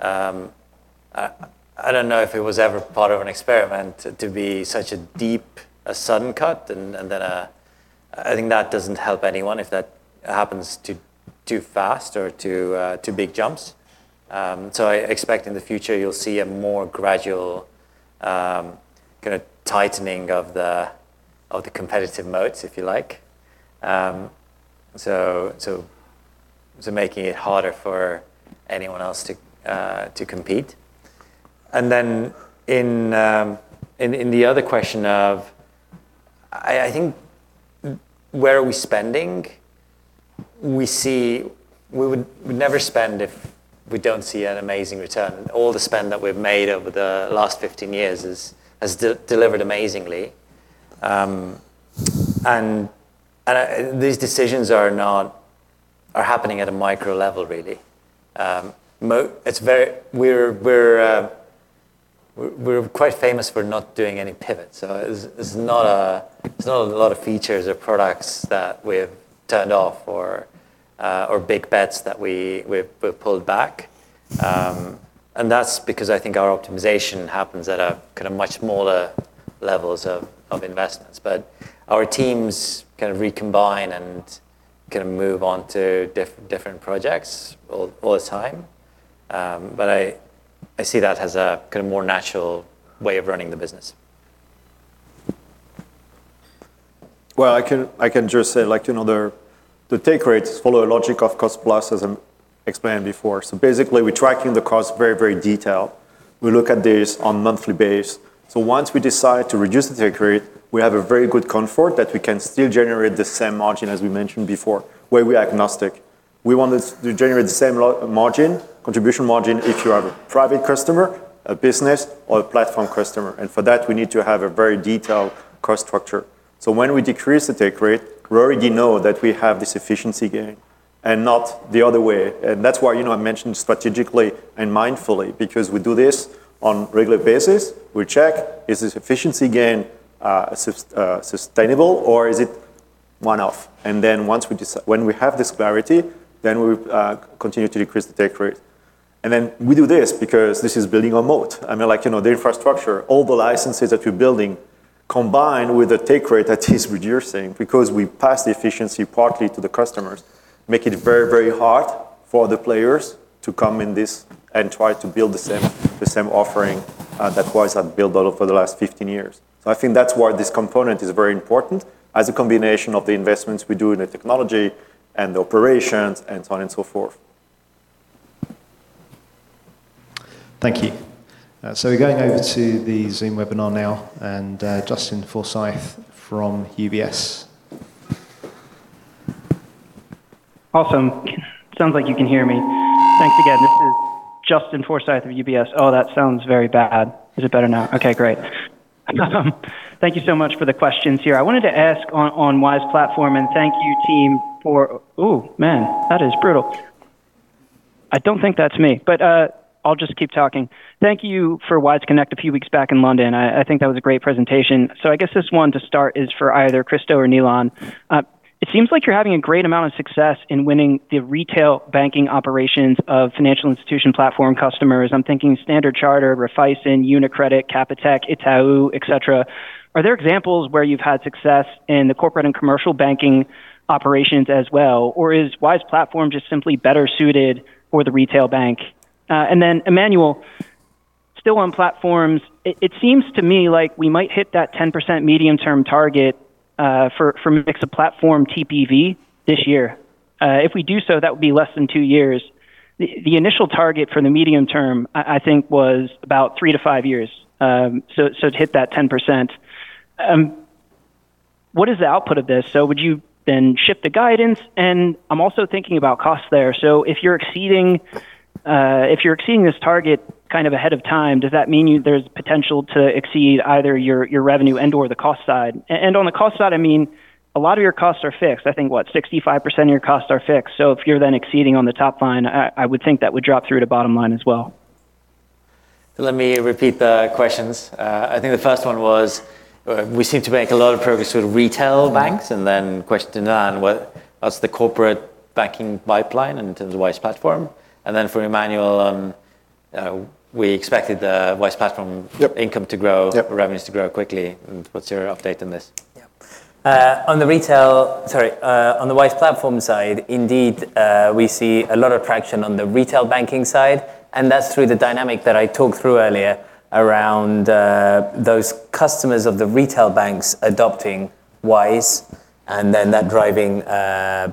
I don't know if it was ever part of an experiment to be such a deep, a sudden cut and then I think that doesn't help anyone if that happens too fast or too big jumps. I expect in the future you'll see a more gradual kind of tightening of the competitive moats, if you like. Making it harder for anyone else to compete. Then in the other question of, I think where are we spending, we see we would never spend if we don't see an amazing return. All the spend that we've made over the last 15 years has delivered amazingly. And these decisions are happening at a micro level, really. It's very We're quite famous for not doing any pivots. It's not a lot of features or products that we've turned off or big bets that we've pulled back. And that's because I think our optimization happens at a kind of much smaller levels of investments. Our teams kind of recombine and can move on to different projects all the time. I see that as a kind of more natural way of running the business. Well, I can just say like, you know, the take rates follow a logic of cost-plus, as I explained before. Basically, we're tracking the cost very detailed. We look at this on a monthly basis. Once we decide to reduce the take rate, we have a very good comfort that we can still generate the same margin as we mentioned before, where we're agnostic. We want this to generate the same margin, contribution margin if you are a private customer, a business, or a platform customer. For that, we need to have a very detailed cost structure. When we decrease the take rate, we already know that we have this efficiency gain and not the other way. That's why, you know, I mentioned strategically and mindfully because we do this on a regular basis. We check is this efficiency gain sustainable or is it one-off? Once we when we have this clarity, then we continue to decrease the take rate. We do this because this is building our moat. I mean, like, you know, the infrastructure, all the licenses that we're building combine with the take rate that is reducing because we pass the efficiency partly to the customers, make it very, very hard for other players to come in this and try to build the same, the same offering that Wise have built out over the last 15 years. I think that's why this component is very important as a combination of the investments we do in the technology and the operations and so on and so forth. Thank you. We're going over to the Zoom webinar now, and Justin Forsythe from UBS. Awesome. Sounds like you can hear me. Thanks again. This is Justin Forsythe of UBS. Oh, that sounds very bad. Is it better now? Okay, great. Thank you so much for the questions here. I wanted to ask on Wise Platform and thank you team for Oh, man, that is brutal. I don't think that's me, but I'll just keep talking. Thank you for Wise Connect a few weeks back in London. I think that was a great presentation. I guess this one to start is for either Kristo or Nilan. It seems like you're having a great amount of success in winning the retail banking operations of financial institution Platform customers. I'm thinking Standard Chartered, Raiffeisen, UniCredit, Capitec, Itaú, et cetera. Are there examples where you've had success in the corporate and commercial banking operations as well, or is Wise Platform just simply better suited for the retail bank? Emmanuel, still on platforms, it seems to me like we might hit that 10% medium-term target, for mix of Platform TPV this year. If we do so, that would be less than two years. The initial target for the medium term, I think, was about three-five years, so to hit that 10%. What is the output of this? Would you then shift the guidance? I'm also thinking about costs there. If you're exceeding this target kind of ahead of time, does that mean there's potential to exceed either your revenue and/or the cost side? On the cost side, I mean, a lot of your costs are fixed. I think, what, 65% of your costs are fixed. If you're then exceeding on the top line, I would think that would drop through to bottom line as well. Let me repeat the questions. I think the first one was, we seem to make a lot of progress with retail banks. Question around what's the corporate banking pipeline in terms of Wise Platform. For Emmanuel, we expected the Wise Platform- Yep income to grow. Yep revenues to grow quickly. What's your update on this? Yeah. On the Wise Platform side, indeed, we see a lot of traction on the retail banking side, and that's through the dynamic that I talked through earlier around those customers of the retail banks adopting Wise and then that driving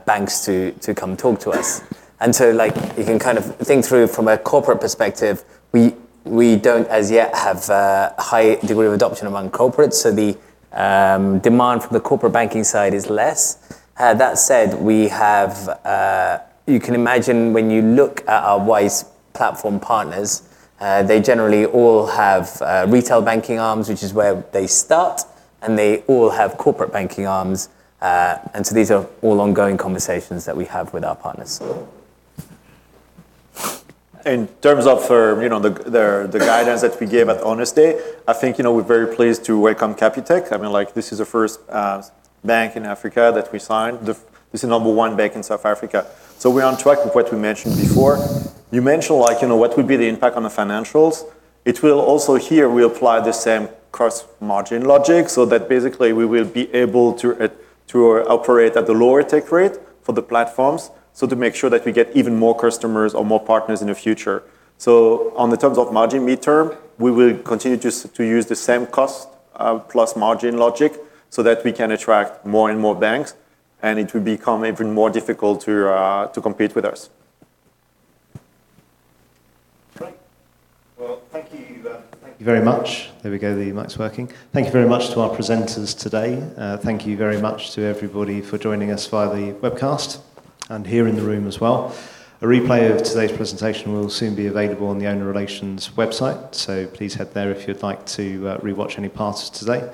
banks to come talk to us. Like, you can kind of think through from a corporate perspective, we don't as yet have a high degree of adoption among corporates, so the demand from the corporate banking side is less. That said, we have, you can imagine when you look at our Wise Platform partners, they generally all have retail banking arms, which is where they start, and they all have corporate banking arms. These are all ongoing conversations that we have with our partners. In terms of for, you know, the guidance that we gave at Owners' Day, I think, you know, we're very pleased to welcome Capitec. I mean, like, this is the first bank in Africa that we signed, It's the number one bank in South Africa. We're on track with what we mentioned before. You mentioned, like, you know, what would be the impact on the financials. It will also here we apply the same cost-plus margin logic, that basically we will be able to operate at the lower take rate for the platforms to make sure that we get even more customers or more partners in the future. On the terms of margin midterm, we will continue to use the same cost-plus margin logic so that we can attract more and more banks, and it will become even more difficult to compete with us. Great. Well, thank you. Thank you very much. There we go. The mic's working. Thank you very much to our presenters today. Thank you very much to everybody for joining us via the webcast and here in the room as well. A replay of today's presentation will soon be available on the Owner Relations website, so please head there if you'd like to rewatch any parts today.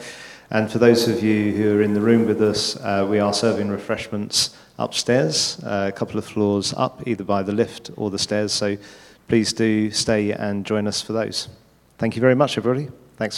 For those of you who are in the room with us, we are serving refreshments upstairs, a couple of floors up, either by the lift or the stairs. Please do stay and join us for those. Thank you very much, everybody. Thanks very much.